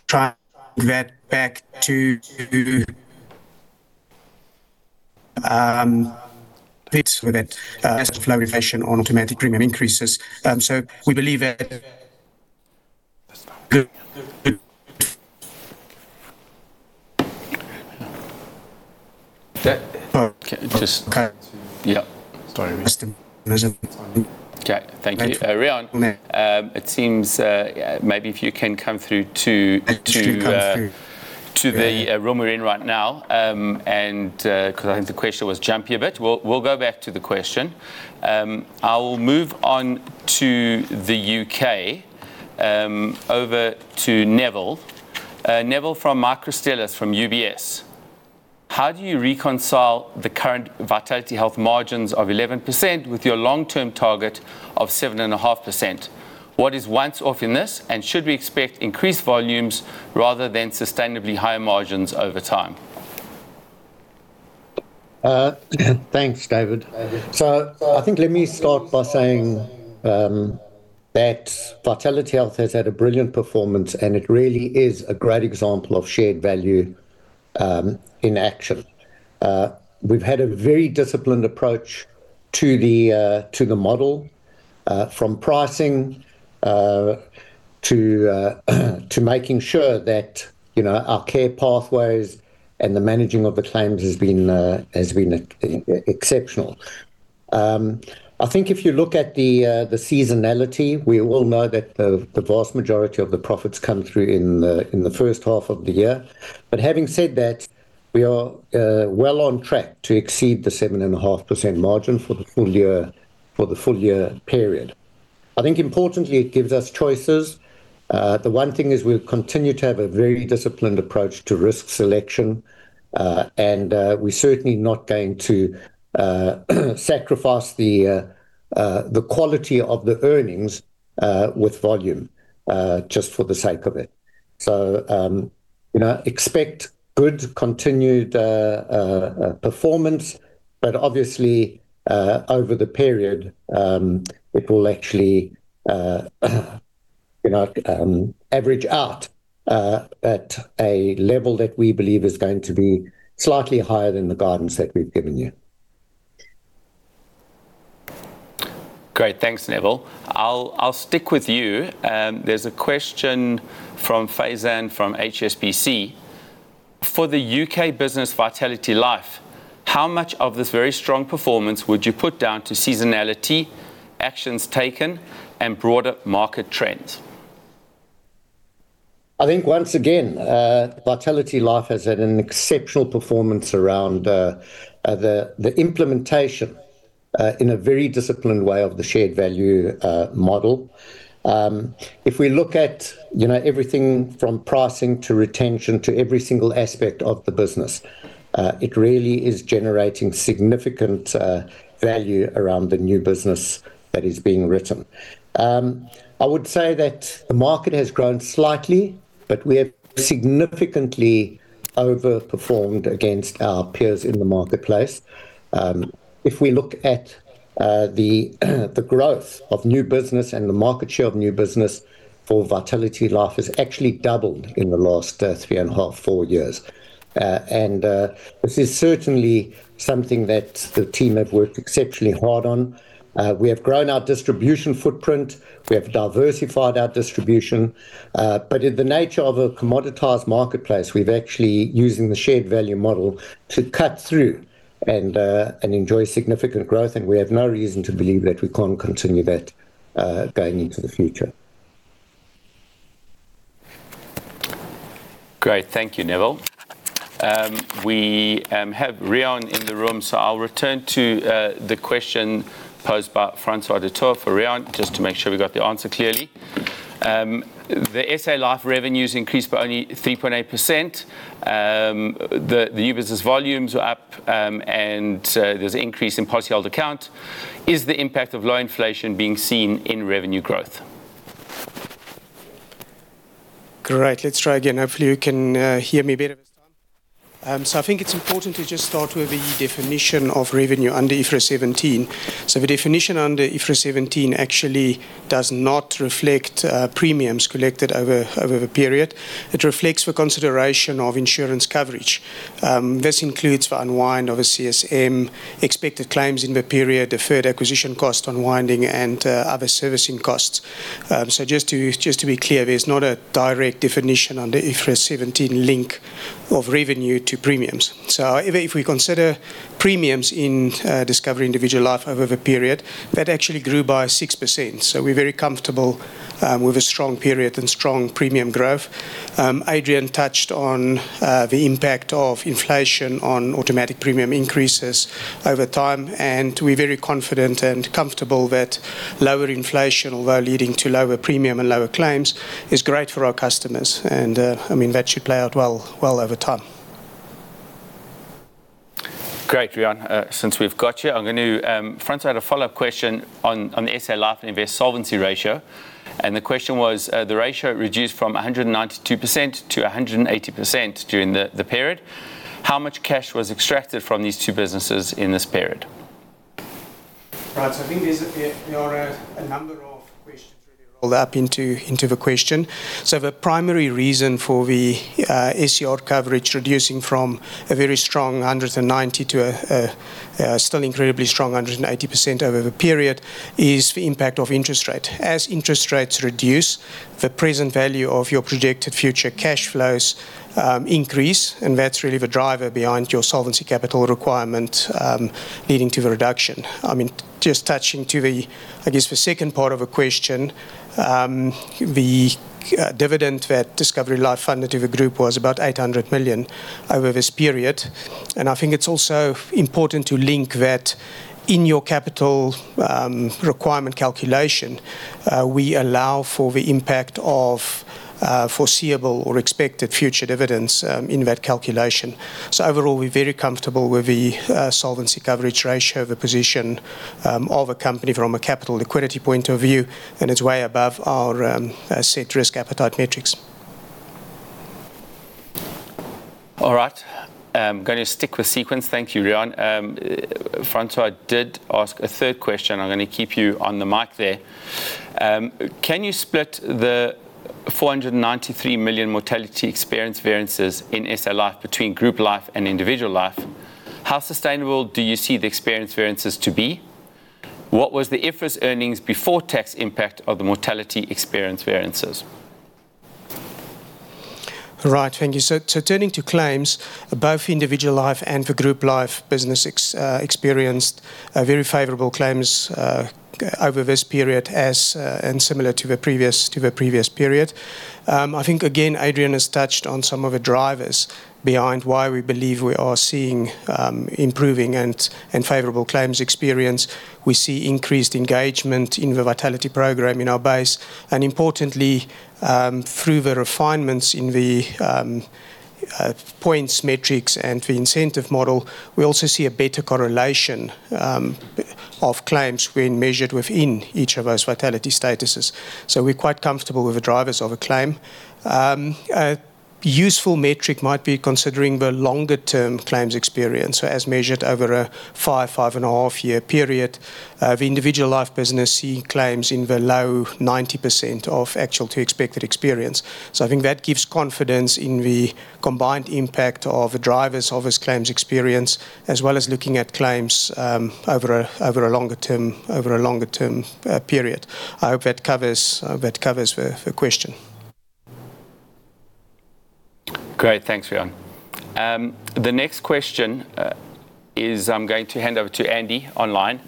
track that back to fits with it as the flow inflation on automatic premium increases. We believe it Just- Okay. Yeah. Sorry. Okay. Thank you. Riaan. Yeah. It seems, maybe if you can come through. Just to come through.... to the room we're in right now, and 'cause I think the question was jumpy a bit. We'll go back to the question. I'll move on to the U.K., over to Neville. Neville from Michael Christelis from UBS. How do you reconcile the current Vitality Health margins of 11% with your long-term target of 7.5%? What is once off in this, and should we expect increased volumes rather than sustainably higher margins over time? Thanks, David. Let me start by saying that Vitality Health has had a brilliant performance, and it really is a great example of shared value in action. We've had a very disciplined approach to the model, from pricing, to making sure that, you know, our care pathways and the managing of the claims has been exceptional. If you look at the seasonality, we all know that the vast majority of the profits come through in the first half of the year. Having said that, we are well on track to exceed the 7.5% margin for the full year period. Importantly, it gives us choices. The one thing is we'll continue to have a very disciplined approach to risk selection, and we're certainly not going to sacrifice the quality of the earnings with volume just for the sake of it. You know, expect good continued performance, but obviously, over the period, it will actually, you know, average out at a level that we believe is going to be slightly higher than the guidance that we've given you. Great. Thanks, Neville. I'll stick with you. There's a question from Faizan from HSBC. For the U.K. business Vitality Life, how much of this very strong performance would you put down to seasonality, actions taken, and broader market trends? I think once again, Vitality Life has had an exceptional performance around the implementation in a very disciplined way of the Shared-Value model. If we look at, you know, everything from pricing to retention to every single aspect of the business, it really is generating significant value around the new business that is being written. I would say that the market has grown slightly. We have significantly overperformed against our peers in the marketplace. If we look at the growth of new business and the market share of new business for Vitality Life has actually doubled in the last three and a half, four years. This is certainly something that the team have worked exceptionally hard on. We have grown our distribution footprint, we have diversified our distribution. In the nature of a commoditized marketplace, we've actually using the Shared-Value model to cut through and enjoy significant growth, and we have no reason to believe that we can't continue that going into the future. Great. Thank you, Neville. We have Riaan in the room, so I'll return to the question posed by Francois du Toit for Riaan, just to make sure we got the answer clearly. The SA Life revenues increased by only 3.8%. The new business volumes were up, and there's increase in policyholder count. Is the impact of low inflation being seen in revenue growth? Great. Let's try again. Hopefully, you can hear me better this time. I think it's important to just start with the definition of revenue under IFRS 17. The definition under IFRS 17 actually does not reflect premiums collected over the period. It reflects the consideration of insurance coverage. This includes the unwind of a CSM, expected claims in the period, deferred acquisition costs unwinding, and other servicing costs. Just to be clear, there's not a direct definition on the IFRS 17 link of revenue to premiums. Even if we consider premiums in Discovery Individual Life over the period, that actually grew by 6%. We're very comfortable with a strong period and strong premium growth. Adrian touched on the impact of inflation on automatic premium increases over time, and we're very confident and comfortable that lower inflation, although leading to lower premium and lower claims, is great for our customers. That should play out well over time. Great, Riaan. Since we've got you, I'm gonna Francois, had a follow-up question on the SA Life and Invest solvency ratio, and the question was, the ratio reduced from 192%-180% during the period. How much cash was extracted from these two businesses in this period? I think there are a number of questions really rolled up into the question. The primary reason for the SCR coverage reducing from a very strong 190 to a still incredibly strong 180% over the period is the impact of interest rate. As interest rates reduce, the present value of your projected future cash flows increase, and that's really the driver behind your solvency capital requirement leading to the reduction. I mean, just touching to the, I guess, the second part of the question, the dividend that Discovery Life funded to the group was about 800 million over this period. I think it's also important to link that in your capital requirement calculation, we allow for the impact of foreseeable or expected future dividends in that calculation. Overall, we're very comfortable with the solvency coverage ratio, the position of a company from a capital liquidity point of view, and it's way above our set risk appetite metrics. All right. I'm gonna stick with sequence. Thank you, Riaan. Francois did ask a third question. I'm gonna keep you on the mic there. Can you split the 493 million mortality experience variances in SA Life between group life and individual life? How sustainable do you see the experience variances to be? What was the IFRS earnings before tax impact of the mortality experience variances? Right. Thank you. Turning to claims, both individual life and the group life business experienced a very favorable claims over this period as and similar to the previous period. I think again, Adrian has touched on some of the drivers behind why we believe we are seeing improving and favorable claims experience. We see increased engagement in the Vitality program in our base, and importantly, through the refinements in the points metrics and the incentive model, we also see a better correlation of claims when measured within each of those Vitality statuses. We're quite comfortable with the drivers of a claim. A useful metric might be considering the longer-term claims experience as measured over a five and a half year period of individual life business seeing claims in the low 90% of actual to expected experience. I think that gives confidence in the combined impact of the drivers of this claims experience, as well as looking at claims over a longer term period. I hope that covers the question. Great. Thanks, Riaan. The next question is I'm going to hand over to Andy online.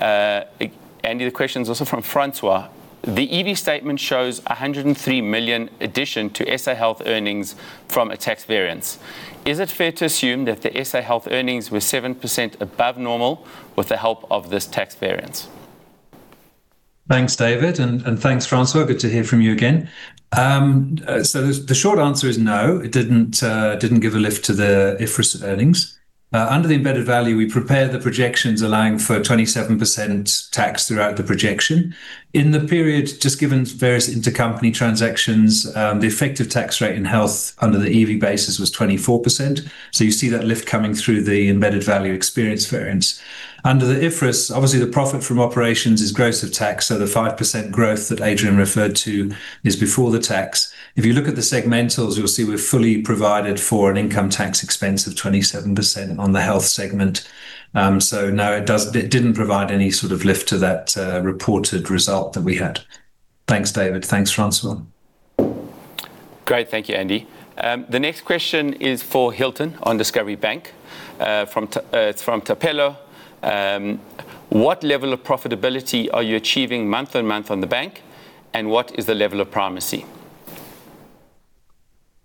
Andy, the question is also from Francois. The EV statement shows a 103 million addition to SA Health earnings from a tax variance. Is it fair to assume that the SA Health earnings were 7% above normal with the help of this tax variance? Thanks, David, and thanks, Francois. Good to hear from you again. The short answer is no. It didn't give a lift to the IFRS earnings. Under the embedded value, we prepare the projections allowing for 27% tax throughout the projection. In the period, just given various intercompany transactions, the effective tax rate in health under the EV basis was 24%. You see that lift coming through the embedded value experience variance. Under the IFRS, obviously, the profit from operations is gross of tax. The 5% growth that Adrian referred to is before the tax. If you look at the segmentals, you'll see we've fully provided for an income tax expense of 27% on the health segment. No, it didn't provide any sort of lift to that reported result that we had. Thanks, David. Thanks, Francois. Great. Thank you, Andy. The next question is for Hylton on Discovery Bank. It's from Tapelo. What level of profitability are you achieving month-on-month on the bank, and what is the level of primacy?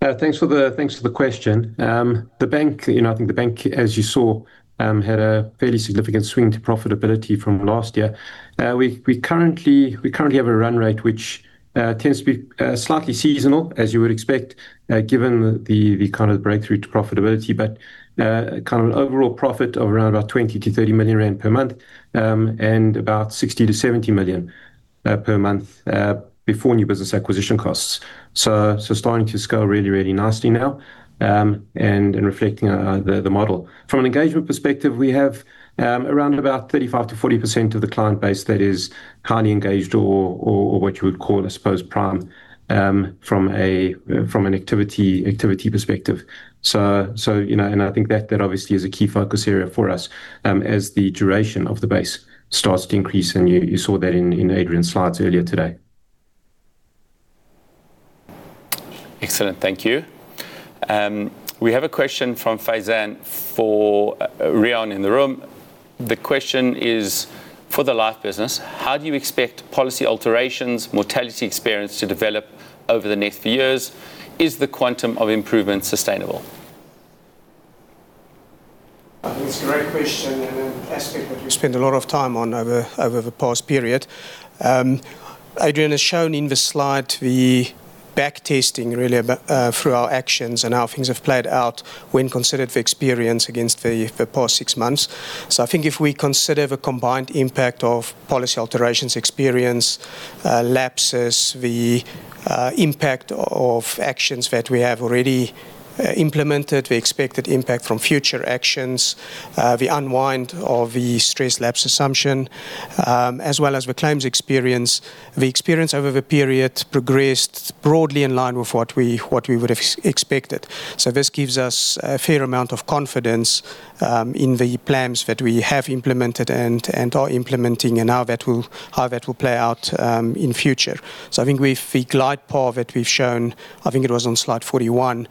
Thanks for the question. The bank, you know, I think the bank, as you saw, had a fairly significant swing to profitability from last year. We currently have a run rate which tends to be slightly seasonal, as you would expect, given the kind of breakthrough to profitability, but kind of an overall profit of around about 20 million-30 million rand per month, and about 60 million-70 million per month before new business acquisition costs. Starting to scale really nicely now, and reflecting the model. From an engagement perspective, we have, around about 35%-40% of the client base that is kindly engaged or what you would call, I suppose, prime, from an activity perspective. You know, and I think that obviously is a key focus area for us, as the duration of the base starts to increase, and you saw that in Adrian's slides earlier today. Excellent. Thank you. We have a question from Faizan for Riaan in the room. The question is, for the life business, how do you expect policy alterations, mortality experience to develop over the next few years? Is the quantum of improvement sustainable? I think it's a great question and an aspect that we spent a lot of time on over the past period. Adrian has shown in the slide the back testing really through our actions and how things have played out when considered for experience against the past six months. I think if we consider the combined impact of policy alterations experience, lapses, the impact of actions that we have already implemented, the expected impact from future actions, the unwind of the stress lapse assumption, as well as the claims experience, the experience over the period progressed broadly in line with what we would have expected. This gives us a fair amount of confidence in the plans that we have implemented and are implementing and how that will play out in future. I think with the glide path that we've shown, I think it was on slide 41,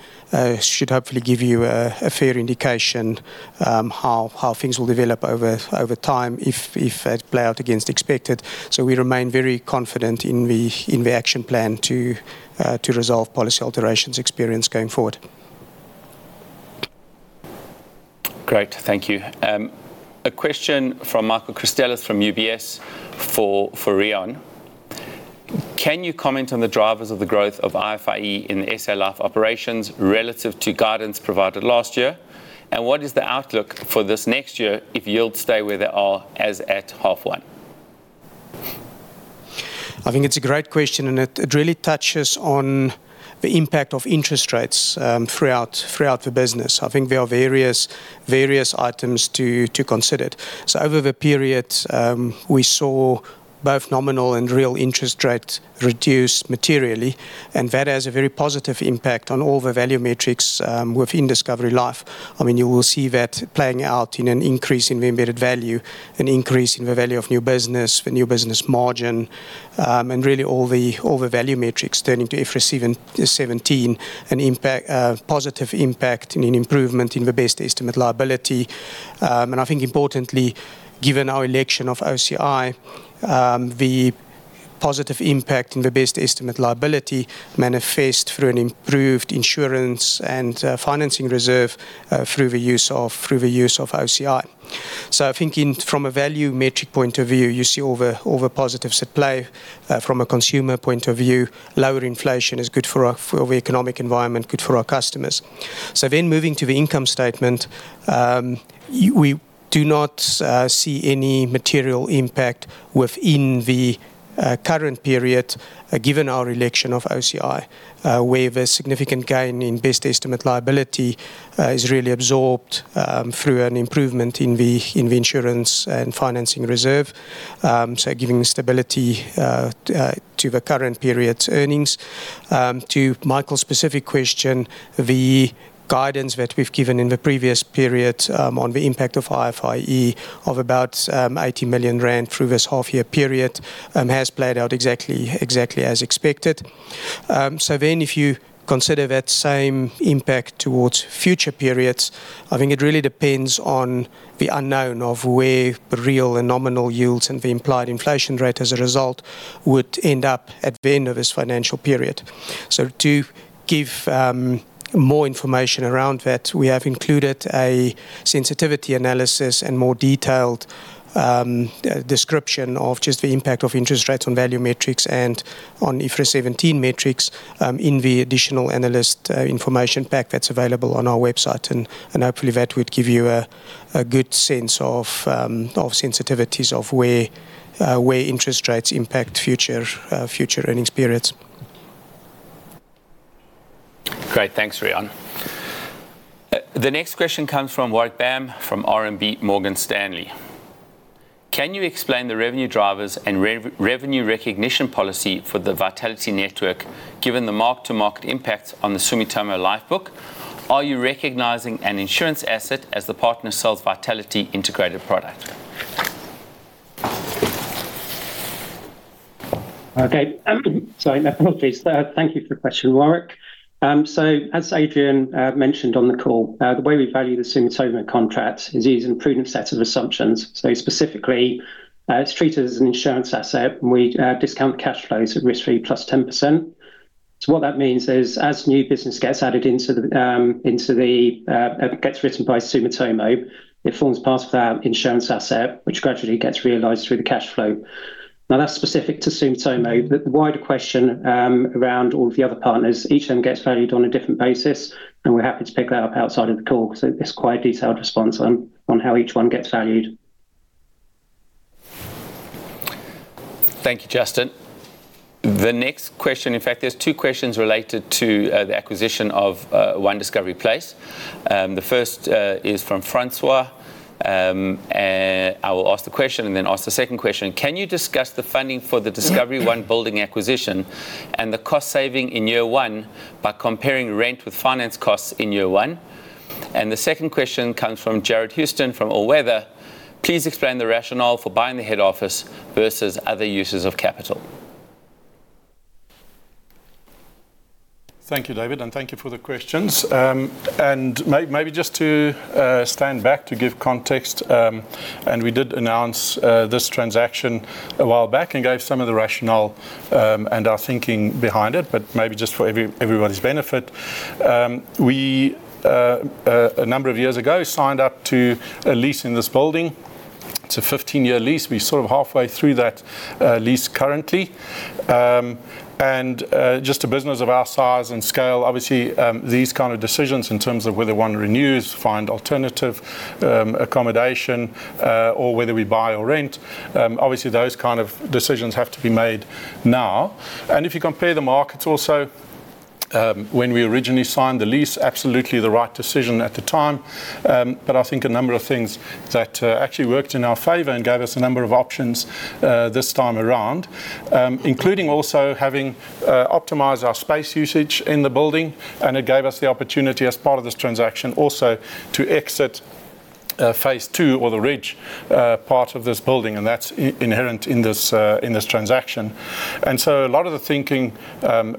should hopefully give you a fair indication how things will develop over time if that play out against expected. We remain very confident in the action plan to resolve policy alterations experience going forward. Great. Thank you. A question from Michael Christelis from UBS for Riaan. Can you comment on the drivers of the growth of IFIE in the SA Life operations relative to guidance provided last year? What is the outlook for this next year if yields stay where they are as at half one? I think it's a great question, and it really touches on the impact of interest rates throughout the business. I think there are various items to consider. Over the period, we saw both nominal and real interest rates reduce materially, and that has a very positive impact on all the value metrics within Discovery Life. I mean, you will see that playing out in an increase in the Embedded Value, an increase in the Value of New Business, the new business margin, and really all the value metrics turning to IFRS 17, a positive impact and an improvement in the Best Estimate Liability. I think importantly, given our election of OCI, the positive impact in the Best Estimate Liability manifest through an improved Insurance and Financing Reserve through the use of OCI. I think from a value metric point of view, you see all the positive supply. From a consumer point of view, lower inflation is good for our, for the economic environment, good for our customers. Moving to the income statement, we do not see any material impact within the current period, given our election of OCI, where the significant gain in Best Estimate Liability is really absorbed through an improvement in the Insurance and Financing Reserve, so giving stability to the current period's earnings. To Michael's specific question, the guidance that we've given in the previous period on the impact of IFIE of about 80 million rand through this half year period has played out exactly as expected. If you consider that same impact towards future periods, I think it really depends on the unknown of where the real and nominal yields and the implied inflation rate as a result would end up at the end of this financial period. To give more information around that, we have included a sensitivity analysis and more detailed description of just the impact of interest rates on value metrics and on IFRS 17 metrics in the additional analyst information pack that's available on our website and hopefully that would give you a good sense of sensitivities of where interest rates impact future earnings periods. Great. Thanks, Riaan. The next question comes from Warwick Bam from RMB Morgan Stanley. Can you explain the revenue drivers and revenue recognition policy for the Vitality Network, given the mark-to-market impact on the Sumitomo Life book? Are you recognizing an insurance asset as the partner sells Vitality integrated product? Okay. Sorry. My apologies. Thank you for the question, Warwick. As Adrian mentioned on the call, the way we value the Sumitomo contract is using prudent sets of assumptions. Specifically, it's treated as an insurance asset, and we discount the cash flows at risk-free +10%. What that means is, as new business gets added into the, gets written by Sumitomo, it forms part of our insurance asset, which gradually gets realized through the cash flow. That's specific to Sumitomo. The wider question, around all the other partners, each of them gets valued on a different basis, and we're happy to pick that up outside of the call 'cause it's quite a detailed response on how each one gets valued. Thank you, Justin. The next question, in fact, there's two questions related to the acquisition of 1 Discovery Place. The first is from Francois. I will ask the question and then ask the second question. Can you discuss the funding for the Discovery 1 building acquisition and the cost saving in year one by comparing rent with finance costs in year one? The second question comes from Jared Houston from All Weather Capital. Please explain the rationale for buying the head office versus other uses of capital. Thank you, David, and thank you for the questions. Maybe just to stand back to give context, we did announce this transaction a while back and gave some of the rationale and our thinking behind it, but maybe just for everybody's benefit. We a number of years ago signed up to a lease in this building. It's a 15-year lease. We're sort of halfway through that lease currently. Just a business of our size and scale, obviously, these kind of decisions in terms of whether one renews, find alternative accommodation, or whether we buy or rent, obviously those kind of decisions have to be made now. If you compare the markets also, when we originally signed the lease, absolutely the right decision at the time. I think a number of things that actually worked in our favor and gave us a number of options this time around, including also having optimized our space usage in the building, and it gave us the opportunity as part of this transaction also to exit phase II or The Ridge part of this building, and that's inherent in this in this transaction. A lot of the thinking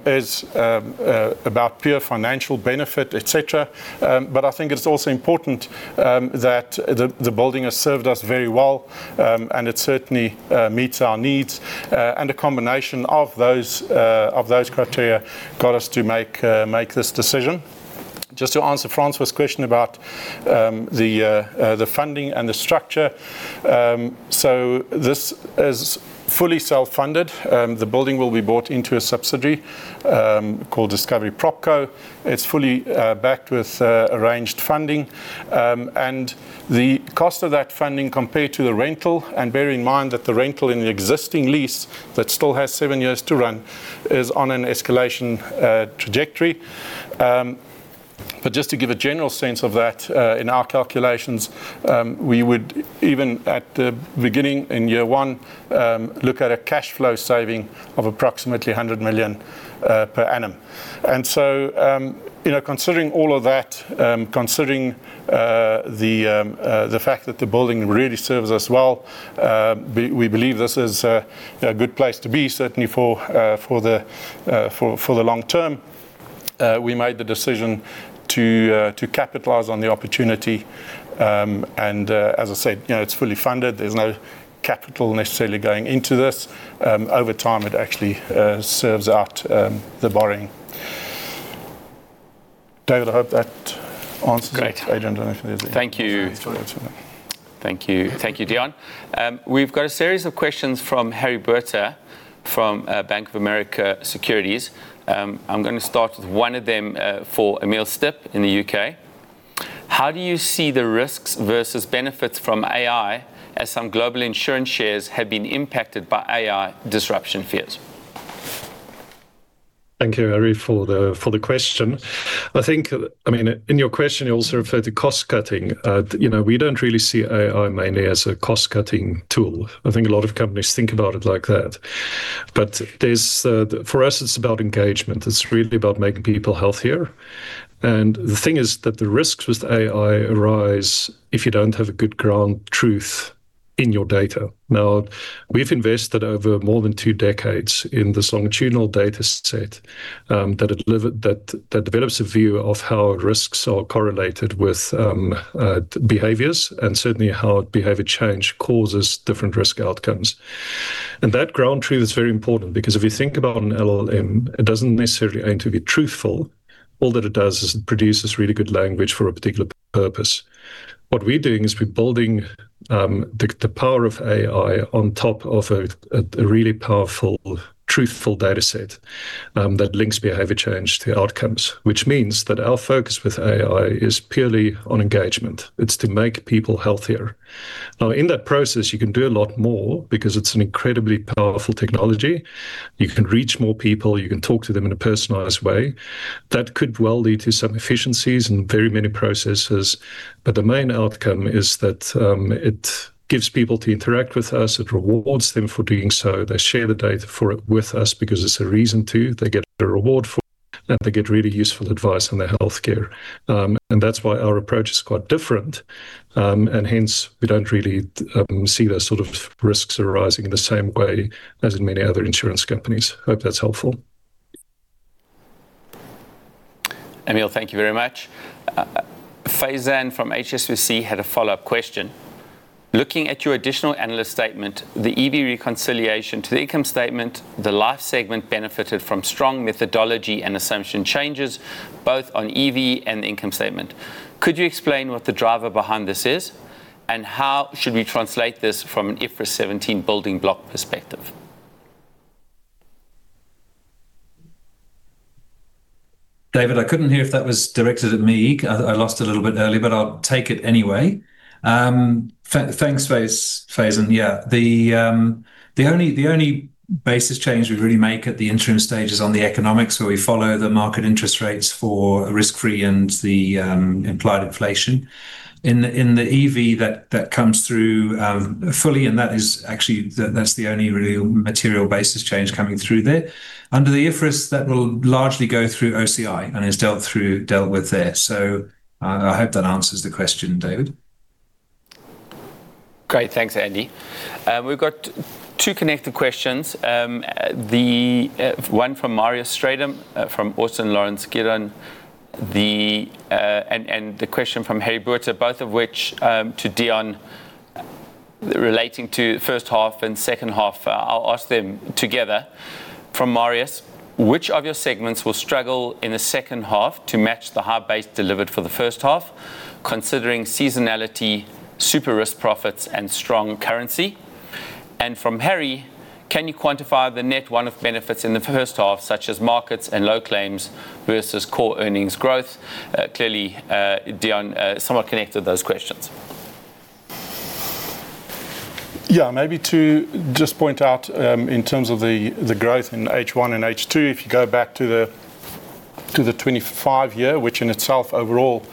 is about pure financial benefit, et cetera. I think it's also important that the building has served us very well, and it certainly meets our needs. A combination of those of those criteria got us to make make this decision. Just to answer Francois' question about the funding and the structure. This is fully self-funded. The building will be bought into a subsidy called Discovery PropCo. It's fully backed with arranged funding. The cost of that funding compared to the rental, and bear in mind that the rental in the existing lease that still has seven years to run, is on an escalation trajectory. Just to give a general sense of that, in our calculations, we would even at the beginning in year one, look at a cash flow saving of approximately 100 million per annum. You know, considering all of that, considering the fact that the building really serves us well, we believe this is a good place to be certainly for the long term. We made the decision to capitalize on the opportunity. As I said, you know, it's fully funded. There's no capital necessarily going into this. Over time, it actually serves out the borrowing. David, I hope that answers it. Great. Adrian, I don't know if there's anything- Thank you. ...else to add to that. Thank you. Thank you, Deon. We've got a series of questions from Harry Botha from Bank of America Securities. I'm gonna start with one of them for Emile Stipp in the U.K. How do you see the risks versus benefits from AI as some global insurance shares have been impacted by AI disruption fears? Thank you, Harry, for the question. I think, I mean, in your question, you also refer to cost-cutting. You know, we don't really see AI mainly as a cost-cutting tool. I think a lot of companies think about it like that. For us, it's about engagement. It's really about making people healthier. The thing is that the risks with AI arise if you don't have a good ground truth in your data. Now, we've invested over more than two decades in this longitudinal data set that develops a view of how risks are correlated with behaviors and certainly how behavior change causes different risk outcomes. That ground truth is very important because if you think about an LLM, it doesn't necessarily aim to be truthful. All that it does is it produces really good language for a particular purpose. What we're doing is we're building the power of AI on top of a really powerful, truthful data set that links behavior change to outcomes. Which means that our focus with AI is purely on engagement. It's to make people healthier. Now, in that process, you can do a lot more because it's an incredibly powerful technology. You can reach more people, you can talk to them in a personalized way. That could well lead to some efficiencies in very many processes. The main outcome is that it gives people to interact with us. It rewards them for doing so. They share the data for it with us because there's a reason to. They get a reward for it They get really useful advice on their healthcare. That's why our approach is quite different, and hence we don't really see those sort of risks arising in the same way as in many other insurance companies. Hope that's helpful. Emile, thank you very much. Faizan from HSBC had a follow-up question. Looking at your additional analyst statement, the EV reconciliation to the income statement, the life segment benefited from strong methodology and assumption changes both on EV and the income statement. Could you explain what the driver behind this is, and how should we translate this from an IFRS 17 building block perspective? David, I couldn't hear if that was directed at me. I lost a little bit early, but I'll take it anyway. thanks, Faizan. Yeah. The only basis change we really make at the interim stage is on the economics where we follow the market interest rates for risk-free and the implied inflation. In the EV, that comes through fully, and that's the only real material basis change coming through there. Under the IFRS, that will largely go through OCI and is dealt with there. I hope that answers the question, David. Great. Thanks, Andy. We've got two connected questions. The one from Marius Strydom from Austin Lawrence Gidon. The question from Harry Botha, both of which to Deon relating to first half and second half. I'll ask them together. From Marius: Which of your segments will struggle in the second half to match the high base delivered for the first half, considering seasonality, super risk profits and strong currency? From Harry: Can you quantify the net one-off benefits in the first half, such as markets and low claims versus core earnings growth? Clearly, Deon somewhat connected those questions. Yeah. Maybe to just point out, in terms of the growth in H1 and H2, if you go back to the, to the 25-year, which in itself overall,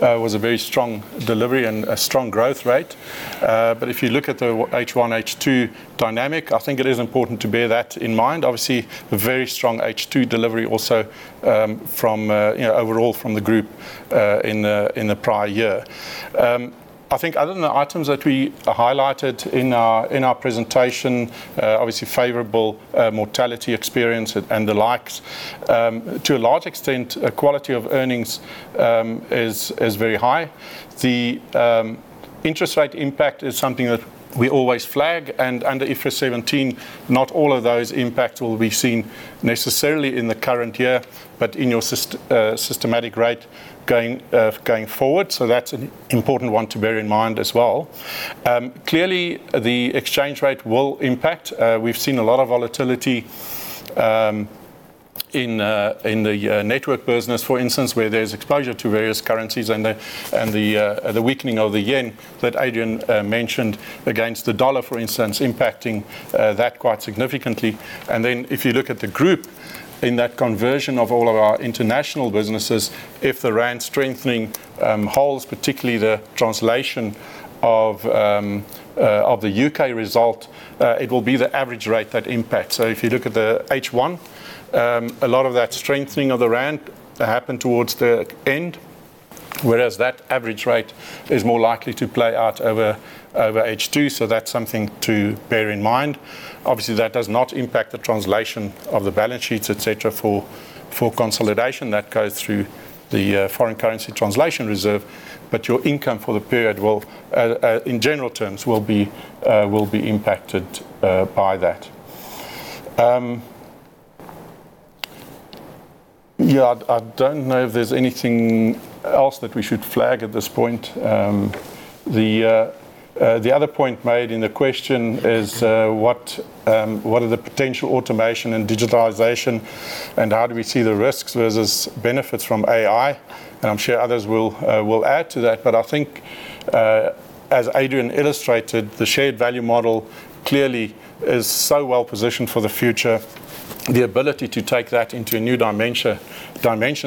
was a very strong delivery and a strong growth rate. If you look at the H1, H2 dynamic, I think it is important to bear that in mind. Obviously, a very strong H2 delivery also, from, you know, overall from the group, in the, in the prior year. I think other than the items that we highlighted in our, in our presentation, obviously favorable, mortality experience and the likes, to a large extent, quality of earnings, is very high. The interest rate impact is something that we always flag, and under IFRS 17, not all of those impacts will be seen necessarily in the current year, but in your systematic rate going forward. That's an important one to bear in mind as well. Clearly the exchange rate will impact. We've seen a lot of volatility in the network business, for instance, where there's exposure to various currencies and the weakening of the yen that Adrian mentioned against the dollar, for instance, impacting that quite significantly. If you look at the group in that conversion of all of our international businesses, if the rand strengthening holds, particularly the translation of the U.K. result, it will be the average rate that impacts. If you look at the H1, a lot of that strengthening of the rand happened towards the end, whereas that average rate is more likely to play out over H2. That's something to bear in mind. Obviously, that does not impact the translation of the balance sheets, et cetera, for consolidation. That goes through the Foreign Currency Translation Reserve, but your income for the period will, in general terms, will be impacted by that. Yeah, I don't know if there's anything else that we should flag at this point. The other point made in the question is what are the potential automation and digitalization, and how do we see the risks versus benefits from AI? I'm sure others will add to that. I think, as Adrian illustrated, the Shared-Value model clearly is so well positioned for the future. The ability to take that into a new dimension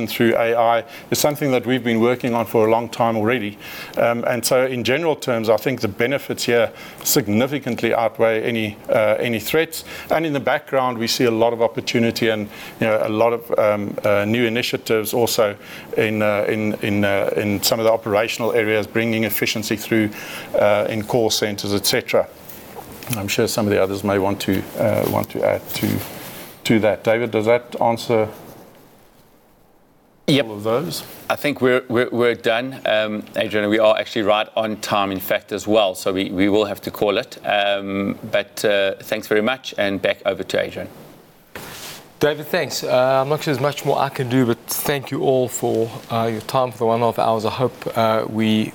through AI is something that we've been working on for a long time already. In general terms, I think the benefits here significantly outweigh any threats. In the background, we see a lot of opportunity and, you know, a lot of new initiatives also in some of the operational areas bringing efficiency through in call centers, et cetera. I'm sure some of the others may want to add to that. David, does that answer. Yep all of those? I think we're done. Adrian, we are actually right on time, in fact, as well. We will have to call it. Thanks very much. Back over to Adrian. David, thanks. I'm not sure there's much more I can do, but thank you all for your time for the one-off hours. I hope we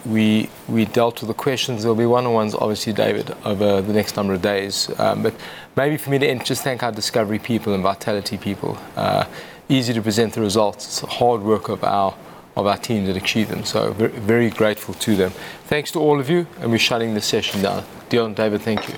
dealt with the questions. There'll be one-on-ones, obviously, David, over the next number of days. Maybe for me to just thank our Discovery people and Vitality people. Easy to present the results. It's the hard work of our team that achieve them. Very grateful to them. Thanks to all of you, we're shutting the session down. Deon, David, thank you.